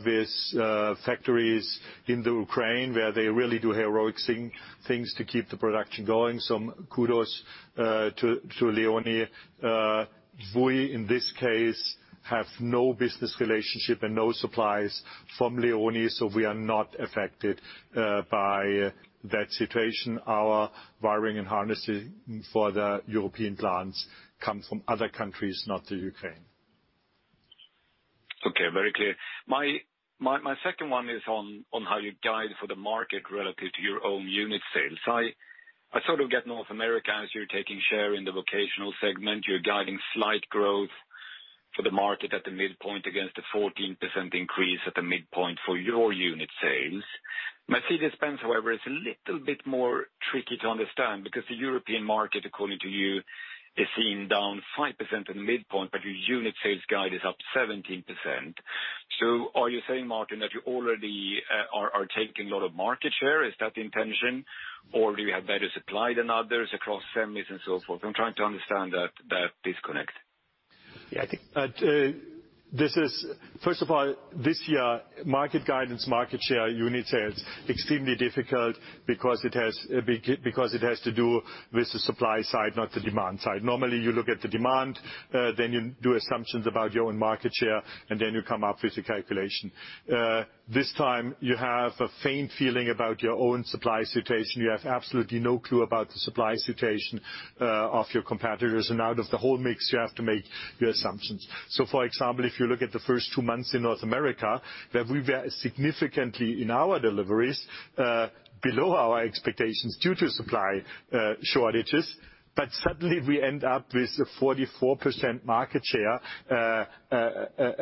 Speaker 3: with factories in the Ukraine, where they really do heroic things to keep the production going. Some kudos to LEONI. We, in this case, have no business relationship and no supplies from LEONI, so we are not affected by that situation. Our wiring and harnessing for the European plants come from other countries, not the Ukraine.
Speaker 9: Okay, very clear. My second one is on how you guide for the market relative to your own unit sales. I sort of get North America, as you're taking share in the vocational segment, you're guiding slight growth for the market at the midpoint against the 14% increase at the midpoint for your unit sales. Mercedes-Benz, however, is a little bit more tricky to understand because the European market, according to you, is seen down 5% at the midpoint, but your unit sales guide is up 17%. So are you saying, Martin, that you already are taking a lot of market share? Is that the intention? Or do you have better supply than others across semis and so forth? I'm trying to understand that disconnect.
Speaker 3: Yeah, I think that this is first of all, this year, market guidance, market share, unit sales, extremely difficult because it has to do with the supply side, not the demand side. Normally, you look at the demand, then you do assumptions about your own market share, and then you come up with a calculation. This time you have a faint feeling about your own supply situation. You have absolutely no clue about the supply situation of your competitors, and out of the whole mix, you have to make your assumptions. For example, if you look at the first two months in North America, that we were significantly in our deliveries below our expectations due to supply shortages, but suddenly we end up with a 44% market share,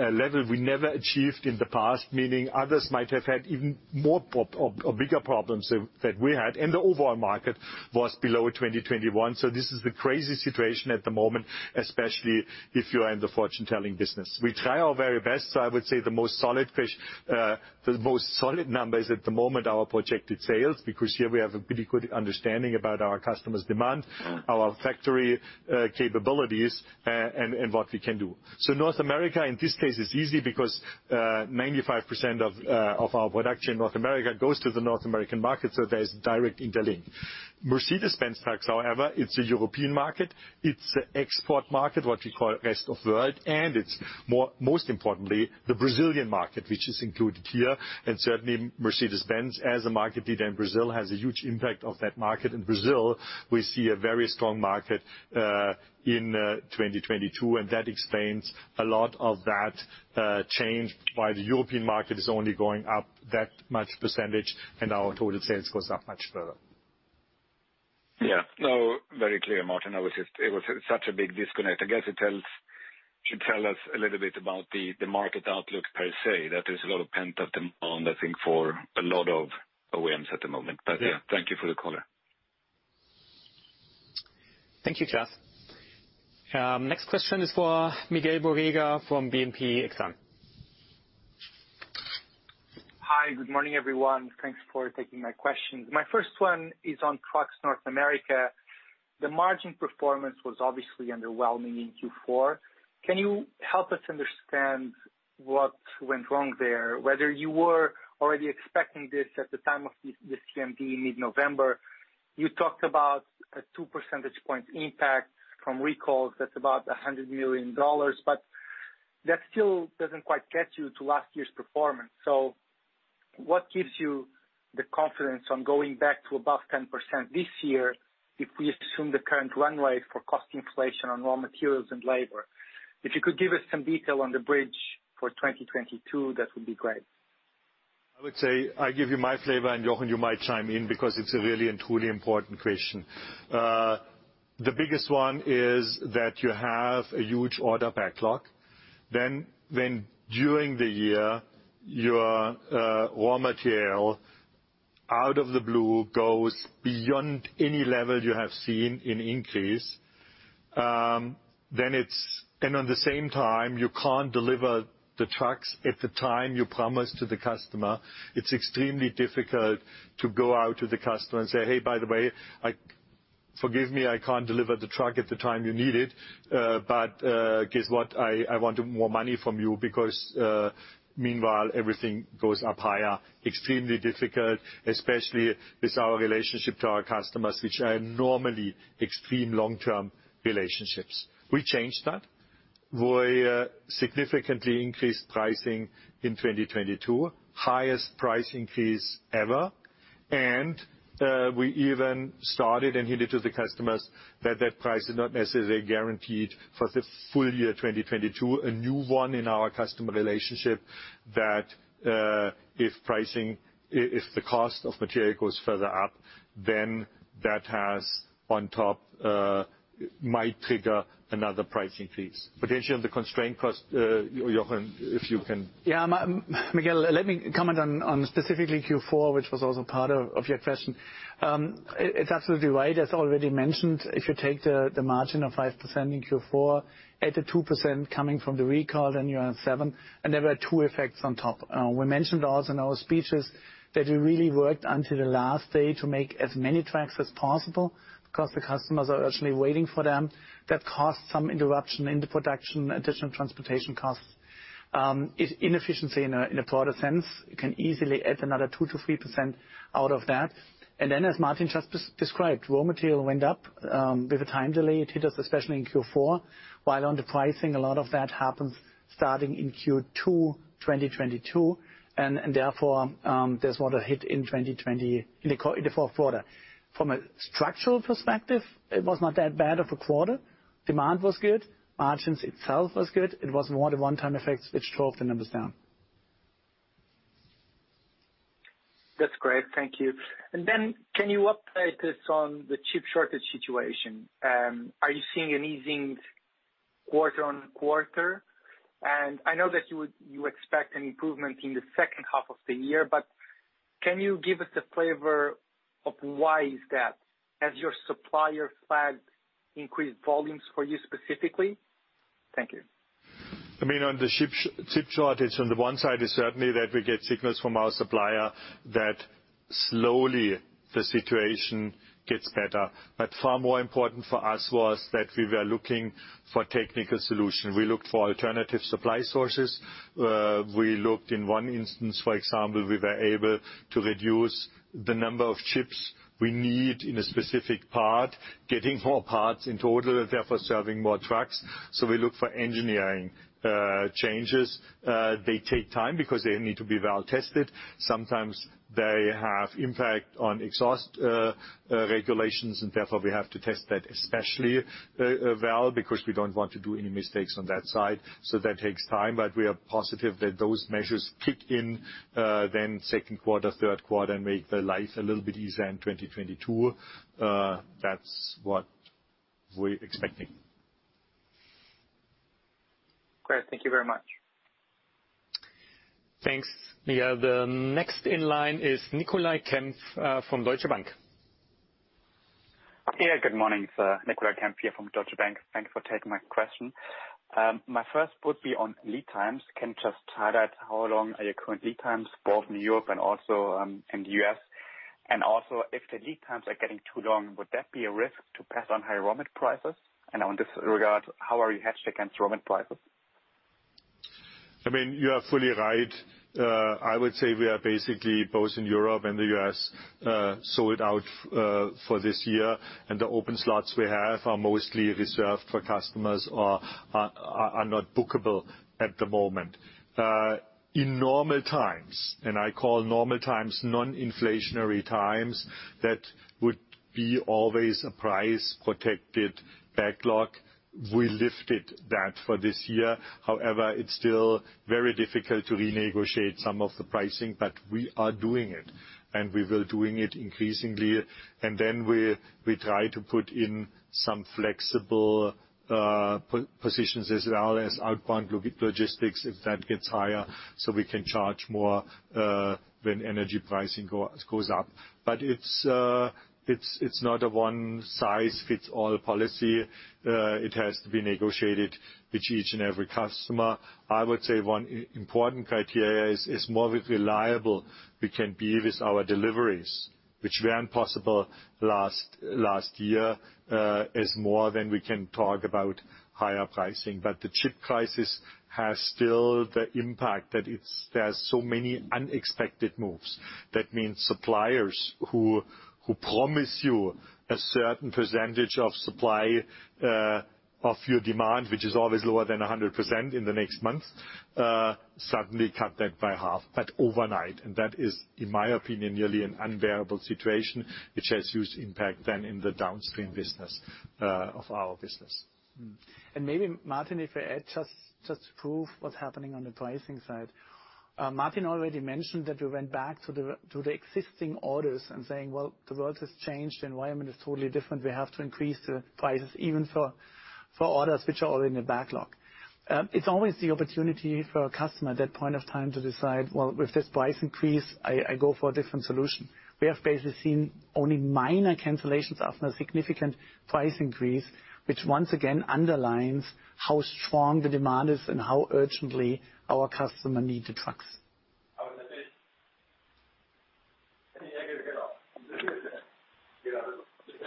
Speaker 3: a level we never achieved in the past, meaning others might have had even more or bigger problems that we had, and the overall market was below 2021. This is the crazy situation at the moment, especially if you are in the fortune-telling business. We try our very best. I would say the most solid figures at the moment are our projected sales, because here we have a pretty good understanding about our customers' demand, our factory capabilities and what we can do. North America, in this case, is easy because 95% of our production in North America goes to the North American market, so there is direct interlink. Mercedes-Benz Trucks, however, it's a European market, it's an export market, what we call rest of world, and it's more, most importantly, the Brazilian market, which is included here. Certainly Mercedes-Benz as a market leader in Brazil has a huge impact of that market. In Brazil, we see a very strong market in 2022, and that explains a lot of that change. While the European market is only going up that much percentage, and our total sales goes up much further.
Speaker 9: Yeah. No, very clear, Martin. It was such a big disconnect. I guess it should tell us a little bit about the market outlook per se, that there's a lot of pent-up demand, I think, for a lot of OEMs at the moment.
Speaker 3: Yeah.
Speaker 9: Yeah, thank you for the color.
Speaker 1: Thank you, Klas. Next question is for Miguel Borrega from BNP Paribas Exane.
Speaker 10: Hi, good morning, everyone. Thanks for taking my questions. My first one is on Trucks North America. The margin performance was obviously underwhelming in Q4. Can you help us understand what went wrong there, whether you were already expecting this at the time of the CMD in mid-November? You talked about a 2 percentage points impact from recalls, that's about $100 million. That still doesn't quite get you to last year's performance. What gives you the confidence on going back to above 10% this year if we assume the current runway for cost inflation on raw materials and labor? If you could give us some detail on the bridge for 2022, that would be great.
Speaker 3: I would say, I give you my flavor, and Jochen, you might chime in because it's a really and truly important question. The biggest one is that you have a huge order backlog. When during the year your raw material out of the blue goes beyond any level you have seen in increases, then it's at the same time, you can't deliver the trucks at the time you promised to the customer. It's extremely difficult to go out to the customer and say, "Hey, by the way, forgive me, I can't deliver the truck at the time you need it, but guess what? I want more money from you because meanwhile everything goes up higher." Extremely difficult, especially with our relationship to our customers, which are normally extremely long-term relationships. We changed that. We significantly increased pricing in 2022. Highest price increase ever. We even started and hinted to the customers that that price is not necessarily guaranteed for the full year 2022. A new one in our customer relationship that if pricing, if the cost of material goes further up, then that has on top might trigger another pricing increase. Potential of the constraint cost, Jochen, if you can.
Speaker 4: Yeah, Miguel, let me comment on specifically Q4, which was also part of your question. It's absolutely right, as already mentioned, if you take the margin of 5% in Q4, add the 2% coming from the recall, then you're at 7%, and there were two effects on top. We mentioned also in our speeches that we really worked until the last day to make as many trucks as possible because the customers are urgently waiting for them. That caused some interruption in the production, additional transportation costs. This inefficiency in a broader sense, you can easily add another 2%-3% out of that. Then as Martin just described, raw material went up with a time delay. It hit us especially in Q4, while on the pricing, a lot of that happens starting in Q2 2022, and therefore, there's not a hit in 2020 in the fourth quarter. From a structural perspective, it was not that bad of a quarter. Demand was good, margins itself was good. It was more the one-time effects which drove the numbers down.
Speaker 10: That's great, thank you. Then can you update us on the chip shortage situation? Are you seeing an easing quarter-over-quarter? I know that you would, you expect an improvement in the second half of the year, but can you give us a flavor of why is that? Has your supplier flagged increased volumes for you specifically? Thank you.
Speaker 3: I mean, on the chip shortage, on the one side is certainly that we get signals from our supplier that slowly the situation gets better. Far more important for us was that we were looking for technical solution. We looked for alternative supply sources. We looked in one instance, for example, we were able to reduce the number of chips we need in a specific part, getting more parts in total and therefore serving more trucks. We look for engineering changes. They take time because they need to be well tested. Sometimes they have impact on exhaust regulations, and therefore we have to test that especially, well, because we don't want to do any mistakes on that side. that takes time, but we are positive that those measures kick in then second quarter, third quarter, and make the life a little bit easier in 2022. That's what we're expecting.
Speaker 10: Great. Thank you very much.
Speaker 1: Thanks, Miguel. The next in line is Nicolai Kempf from Deutsche Bank.
Speaker 11: Yeah. Good morning, sir. Nicolai Kempf here from Deutsche Bank. Thank you for taking my question. My first would be on lead times. Can you just highlight how long are your current lead times, both in Europe and also in the U.S.? And also, if the lead times are getting too long, would that be a risk to pass on high raw mat prices? And on this regard, how are you hedged against raw mat prices?
Speaker 3: I mean, you are fully right. I would say we are basically, both in Europe and the U.S., sold out, for this year, and the open slots we have are mostly reserved for customers or are not bookable at the moment. In normal times, and I call normal times non-inflationary times, that would be always a price-protected backlog. We lifted that for this year. However, it's still very difficult to renegotiate some of the pricing, but we are doing it, and we will do it increasingly. We try to put in some flexible positions as well as outbound logistics, if that gets higher, so we can charge more, when energy pricing goes up. It's not a one-size-fits-all policy. It has to be negotiated with each and every customer. I would say one important criteria is how reliable we can be with our deliveries, which weren't possible last year, is more than we can talk about higher pricing. The chip crisis has still the impact that there are so many unexpected moves. That means suppliers who promise you a certain percentage of supply of your demand, which is always lower than 100% in the next month, suddenly cut that by half, but overnight. That is, in my opinion, nearly an unbearable situation which has huge impact then in the downstream business of our business.
Speaker 4: Maybe Martin, if you add just to prove what's happening on the pricing side. Martin already mentioned that we went back to the existing orders and saying, "Well, the world has changed. The environment is totally different. We have to increase the prices even for orders which are already in the backlog." It's always the opportunity for a customer at that point of time to decide, "Well, with this price increase, I go for a different solution." We have basically seen only minor cancellations after a significant price increase, which once again underlines how strong the demand is and how urgently our customer need the trucks.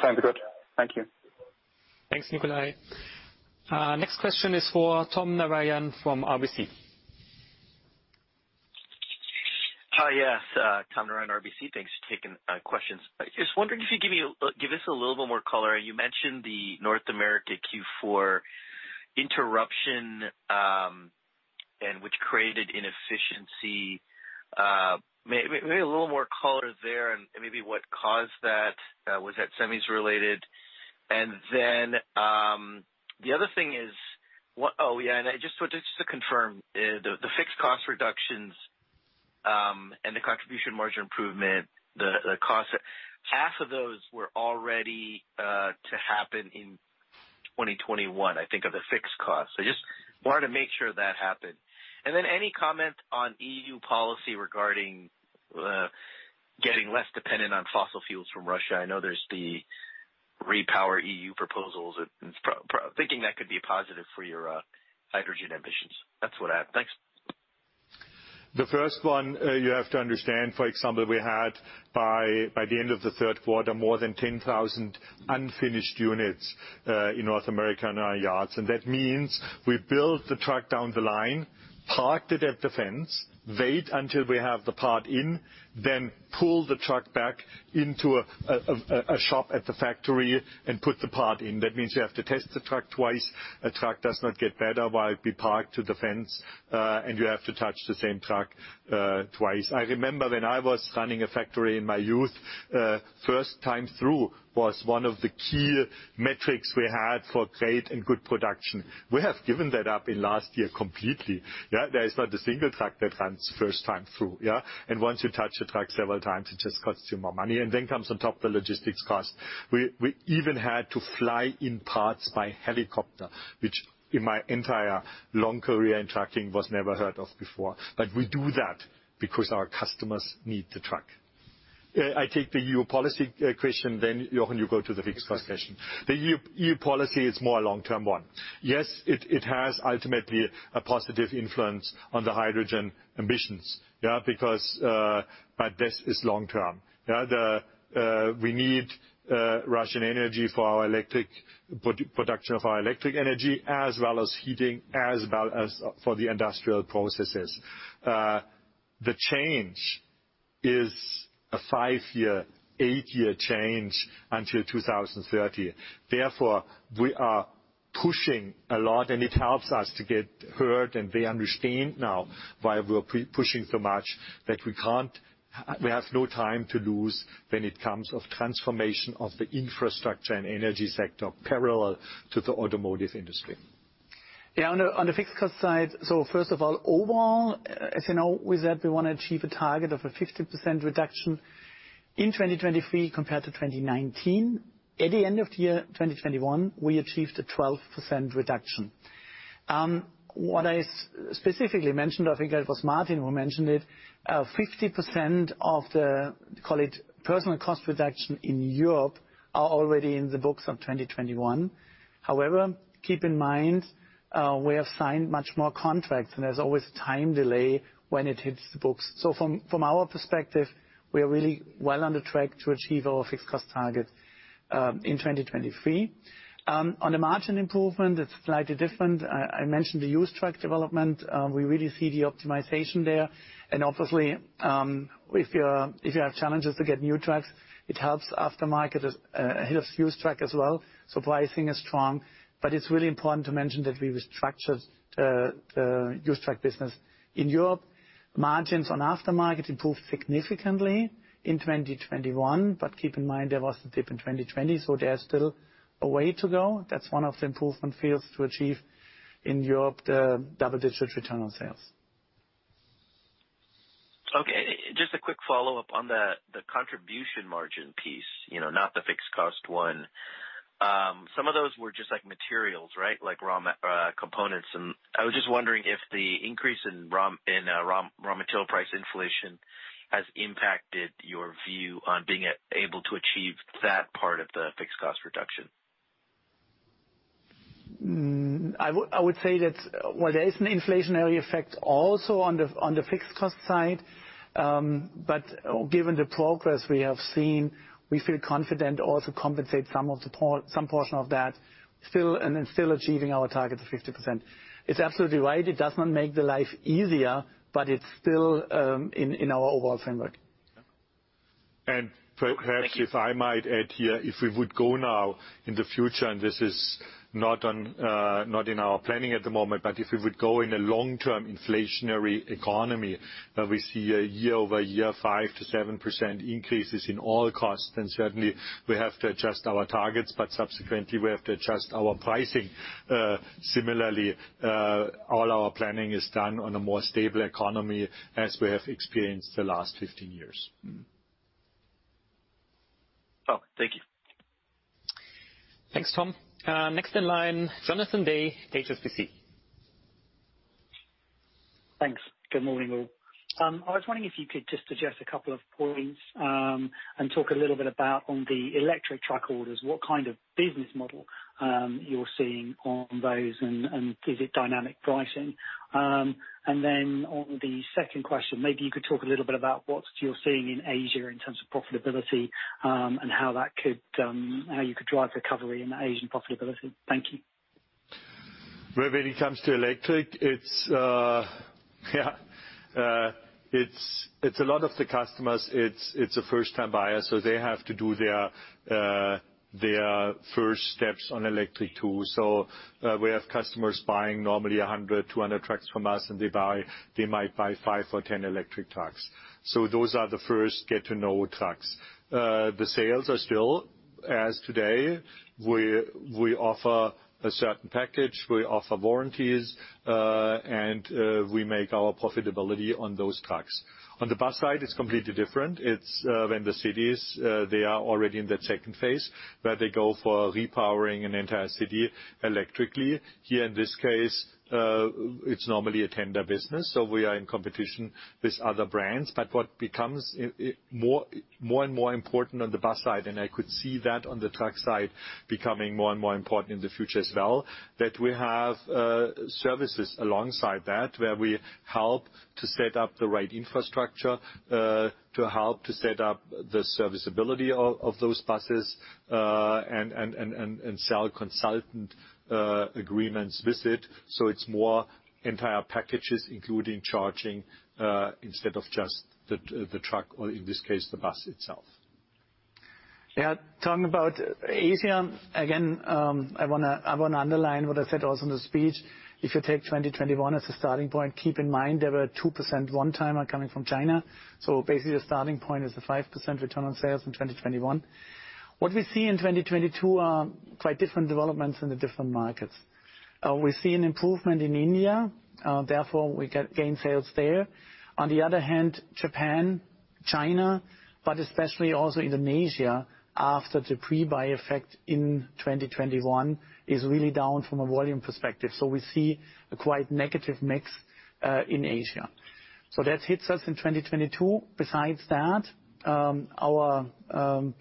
Speaker 11: Sounds good. Thank you.
Speaker 1: Thanks, Nicolai. Next question is for Tom Narayan from RBC.
Speaker 12: Hi, yes. Tom Narayan, RBC. Thanks for taking our questions. I was wondering if you could give us a little bit more color. You mentioned the North America Q4 interruption, and which created inefficiency. Maybe a little more color there and maybe what caused that. Was that semis-related? And then, oh, yeah, I just wanted to confirm the fixed cost reductions and the contribution margin improvement. The cost, half of those were already to happen in 2021, I think, of the fixed costs. I just wanted to make sure that happened. Any comment on EU policy regarding getting less dependent on fossil fuels from Russia? I know there's the REPowerEU proposals. Thinking that could be a positive for your hydrogen ambitions. That's what I have. Thanks.
Speaker 3: The first one, you have to understand, for example, we had by the end of the third quarter, more than 10,000 unfinished units, in North America in our yards. That means we built the truck down the line, parked it at the fence, wait until we have the part in, then pull the truck back into a shop at the factory and put the part in. That means you have to test the truck twice. A truck does not get better while it be parked to the fence, and you have to touch the same truck, twice. I remember when I was running a factory in my youth, first time through was one of the key metrics we had for great and good production. We have given that up in last year completely, yeah. There is not a single truck that runs first time through, yeah. Once you touch the truck several times, it just costs you more money. Comes on top the logistics cost. We even had to fly in parts by helicopter, which in my entire long career in trucking was never heard of before. We do that because our customers need the truck. I take the EU policy question, then Jochen, you go to the fixed cost question. The EU policy is more a long-term one. Yes, it has ultimately a positive influence on the hydrogen ambitions, yeah, because but this is long term. Yeah. We need Russian energy for our electricity production as well as heating, as well as for the industrial processes. The change is a five-year, eight-year change until 2030. Therefore, we are pushing a lot, and it helps us to get heard, and they understand now why we're pushing so much, that we can't. We have no time to lose when it comes to transformation of the infrastructure and energy sector parallel to the automotive industry.
Speaker 4: On the fixed cost side, first of all, overall, as you know, with that, we wanna achieve a target of a 50% reduction in 2023 compared to 2019. At the end of the year 2021, we achieved a 12% reduction. What I specifically mentioned, I think it was Martin who mentioned it, 50% of the, call it personnel cost reduction in Europe, are already in the books of 2021. However, keep in mind, we have signed much more contracts and there's always time delay when it hits the books. From our perspective, we are really well on the track to achieve our fixed cost targets in 2023. On the margin improvement, it's slightly different. I mentioned the used truck development. We really see the optimization there. Obviously, if you have challenges to get new trucks, it helps aftermarket as well as used truck as well. Pricing is strong, but it's really important to mention that we restructured the used truck business. In Europe, margins on aftermarket improved significantly in 2021, but keep in mind there was a dip in 2020, so there's still a way to go. That's one of the improvement fields to achieve in Europe, the double-digit return on sales.
Speaker 12: Okay. Just a quick follow-up on the contribution margin piece, you know, not the fixed cost one. Some of those were just like materials, right? Like raw components. I was just wondering if the increase in raw material price inflation has impacted your view on being able to achieve that part of the fixed cost reduction.
Speaker 4: I would say that while there is an inflationary effect also on the fixed cost side, but given the progress we have seen, we feel confident also compensate some portion of that still, and then still achieving our target of 50%. It's absolutely right. It does not make the life easier, but it's still in our overall framework.
Speaker 12: Thank you.
Speaker 3: Perhaps if I might add here, if we would go now in the future, this is not in our planning at the moment, but if we would go in a long-term inflationary economy, where we see a year-over-year 5%-7% increases in all costs, then certainly we have to adjust our targets, but subsequently, we have to adjust our pricing. Similarly, all our planning is done on a more stable economy as we have experienced the last 15 years.
Speaker 12: Oh, thank you.
Speaker 1: Thanks, Tom. Next in line, Jonathan Day, HSBC.
Speaker 13: Thanks. Good morning, all. I was wondering if you could just address a couple of points, and talk a little bit about on the electric truck orders, what kind of business model you're seeing on those, and is it dynamic pricing? On the second question, maybe you could talk a little bit about what you're seeing in Asia in terms of profitability, and how you could drive recovery in the Asian profitability. Thank you.
Speaker 3: When it comes to electric, it's a lot of the customers, it's a first-time buyer, so they have to do their first steps on electric too. We have customers buying normally 100, 200 trucks from us, and they buy, they might buy 5 or 10 electric trucks. So those are the first get to know trucks. The sales are still as today, we offer a certain package, we offer warranties, and we make our profitability on those trucks. On the bus side, it's completely different. It's when the cities, they are already in the second phase, where they go for repowering an entire city electrically. Here in this case, it's normally a tender business, so we are in competition with other brands. What becomes more and more important on the bus side, and I could see that on the truck side becoming more and more important in the future as well, that we have services alongside that, where we help to set up the right infrastructure to help to set up the serviceability of those buses, and sell consultancy agreements with it. So it's more entire packages, including charging, instead of just the truck or in this case, the bus itself.
Speaker 4: Yeah. Talking about Asia, again, I wanna underline what I said also in the speech. If you take 2021 as a starting point, keep in mind there were 2% one-timer coming from China. Basically, the starting point is the 5% return on sales in 2021. What we see in 2022 are quite different developments in the different markets. We see an improvement in India, therefore we gain sales there. On the other hand, Japan, China, but especially also Indonesia, after the pre-buy effect in 2021 is really down from a volume perspective. We see a quite negative mix in Asia. That hits us in 2022. Besides that, our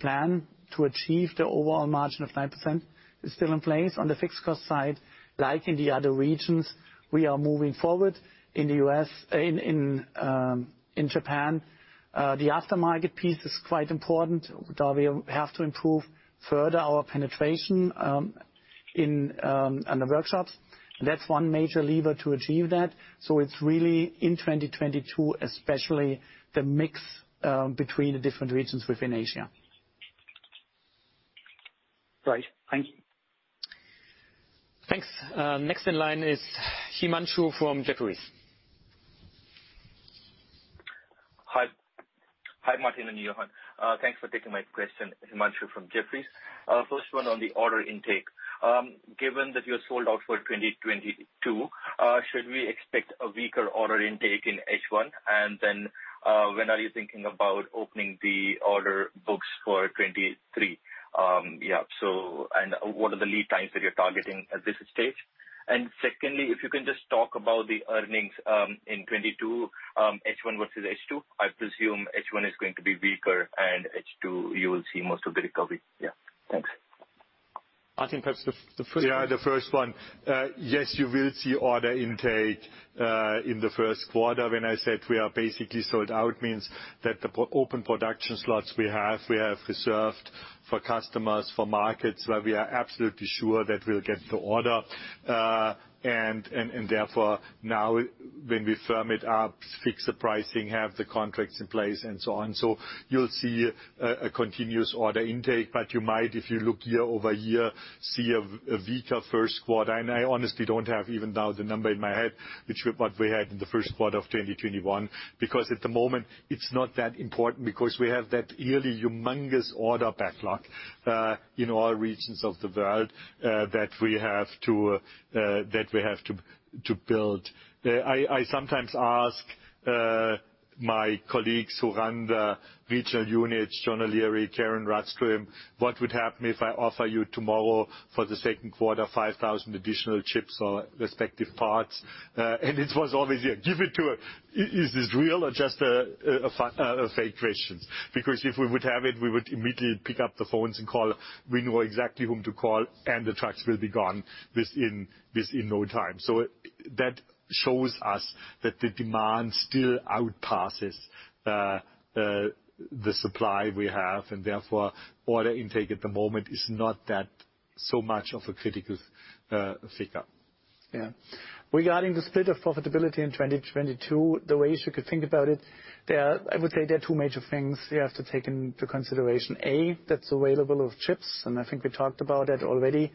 Speaker 4: plan to achieve the overall margin of 5% is still in place. On the fixed cost side, like in the other regions, we are moving forward. In the U.S., in Japan, the aftermarket piece is quite important, though we have to improve further our penetration on the workshops. That's one major lever to achieve that. It's really in 2022, especially the mix between the different regions within Asia.
Speaker 13: Great. Thank you.
Speaker 1: Thanks. Next in line is Himanshu from Jefferies.
Speaker 14: Hi. Hi, Martin Daum and Jochen Götz. Thanks for taking my question. Himanshu from Jefferies. First one on the order intake. Given that you're sold out for 2022 Should we expect a weaker order intake in H1? Then, when are you thinking about opening the order books for 2023? What are the lead times that you are targeting at this stage? Secondly, if you can just talk about the earnings in 2022, H1 versus H2. I presume H1 is going to be weaker and H2 you will see most of the recovery. Thanks.
Speaker 4: I think that's the first.
Speaker 3: Yeah, the first one. Yes, you will see order intake in the first quarter. When I said we are basically sold out, means that the pre-open production slots we have, we have reserved for customers, for markets where we are absolutely sure that we'll get the order. Therefore, now when we firm it up, fix the pricing, have the contracts in place and so on. You'll see a continuous order intake. You might, if you look year-over-year, see a weaker first quarter. I honestly don't have even now the number in my head, what we had in the first quarter of 2021. Because at the moment it's not that important because we have that yearly humongous order backlog in all regions of the world that we have to build. I sometimes ask my colleagues who run the regional units, John O'Leary, Karin Rådström, what would happen if I offer you tomorrow for the second quarter 5,000 additional chips or respective parts? It was always, "Yeah, give it to her. Is this real or just a fake question?" Because if we would have it, we would immediately pick up the phones and call. We know exactly whom to call, and the trucks will be gone within no time. That shows us that the demand still outpaces the supply we have. Therefore, order intake at the moment is not that so much of a critical figure.
Speaker 4: Yeah. Regarding the split of profitability in 2022, the way you should think about it, there are, I would say, two major things you have to take into consideration. A, that's availability of chips, and I think we talked about that already.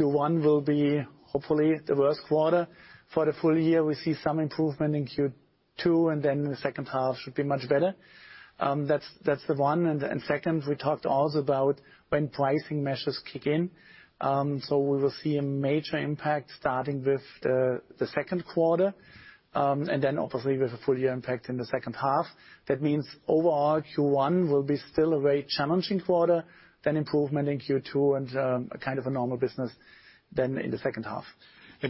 Speaker 4: Q1 will be hopefully the worst quarter. For the full year, we see some improvement in Q2, and then the second half should be much better. That's the one. Second, we talked also about when pricing measures kick in. So we will see a major impact starting with the second quarter, and then obviously with a full year impact in the second half. That means overall, Q1 will be still a very challenging quarter, then improvement in Q2 and kind of a normal business then in the second half.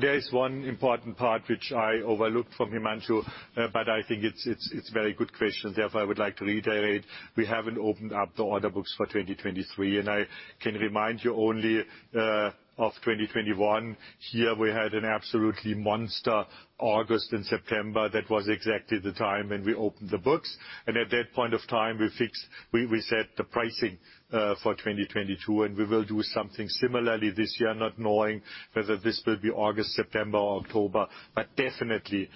Speaker 3: There is one important part which I overlooked from Himanshu, but I think it's a very good question, therefore I would like to reiterate. We haven't opened up the order books for 2023, and I can remind you only of 2021. Here we had an absolutely monster August and September. That was exactly the time when we opened the books. At that point of time, we set the pricing for 2022, and we will do something similarly this year, not knowing whether this will be August, September or October. But definitely,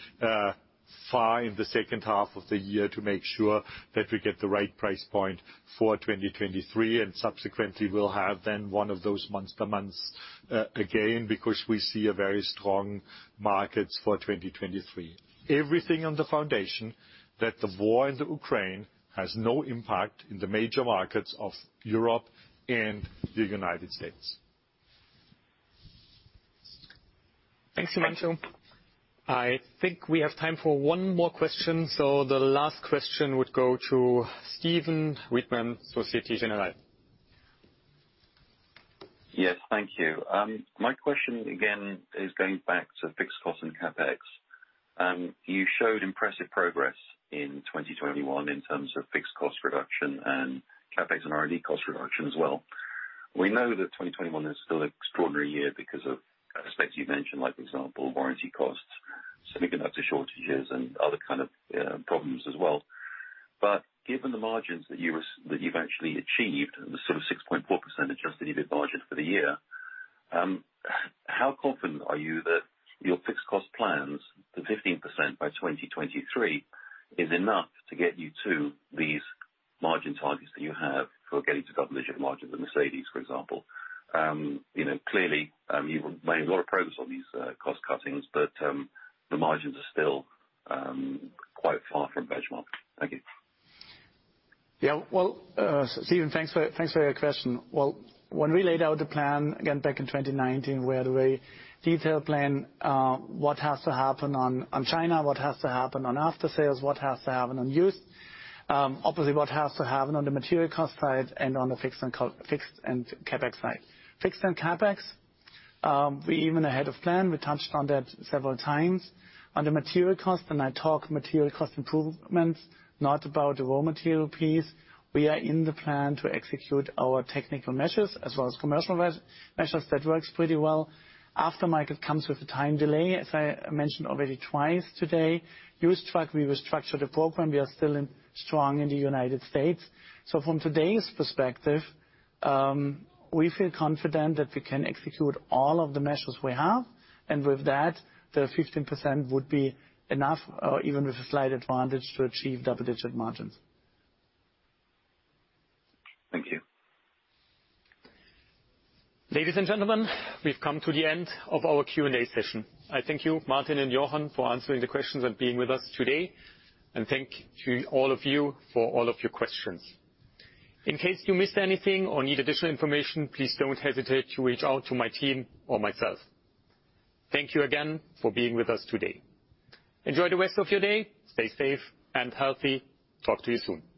Speaker 3: far in the second half of the year to make sure that we get the right price point for 2023, and subsequently we'll have then one of those monster months again, because we see a very strong markets for 2023. Everything on the foundation that the war in the Ukraine has no impact in the major markets of Europe and the United States.
Speaker 1: Thanks, Himanshu. I think we have time for one more question, so the last question would go to Stephen Reitman, Société Générale.
Speaker 15: Yes. Thank you. My question again is going back to fixed cost and CapEx. You showed impressive progress in 2021 in terms of fixed cost reduction and CapEx and R&D cost reduction as well. We know that 2021 is still extraordinary year because of aspects you've mentioned, like for example, warranty costs, semiconductor shortages and other kind of problems as well. Given the margins that you've actually achieved, the sort of 6.4% adjusted EBIT margin for the year, how confident are you that your fixed cost plans to 15% by 2023 is enough to get you to these margin targets that you have for getting to double-digit margins with Mercedes, for example? You know, clearly, you've made a lot of progress on these cost cuttings, but the margins are still quite far from benchmark. Thank you.
Speaker 4: Well, Steven, thanks for your question. Well, when we laid out the plan, again back in 2019, we had a very detailed plan, what has to happen on China, what has to happen on aftersales, what has to happen on used. Obviously, what has to happen on the material cost side and on the fixed and CapEx side. Fixed and CapEx, we're even ahead of plan. We touched on that several times. On the material cost, when I talk about material cost improvements, not about the raw material piece. We are on plan to execute our technical measures as well as commercial measures. That works pretty well. Aftermarket comes with a time delay, as I mentioned already twice today. Used truck, we restructured the program. We are still strong in the United States. From today's perspective, we feel confident that we can execute all of the measures we have. With that, the 15% would be enough, even with a slight advantage, to achieve double-digit margins.
Speaker 15: Thank you.
Speaker 4: Ladies and gentlemen, we've come to the end of our Q&A session. I thank you, Martin and Jochen, for answering the questions and being with us today. Thanks to all of you for all of your questions. In case you missed anything or need additional information, please don't hesitate to reach out to my team or myself. Thank you again for being with us today. Enjoy the rest of your day. Stay safe and healthy. Talk to you soon.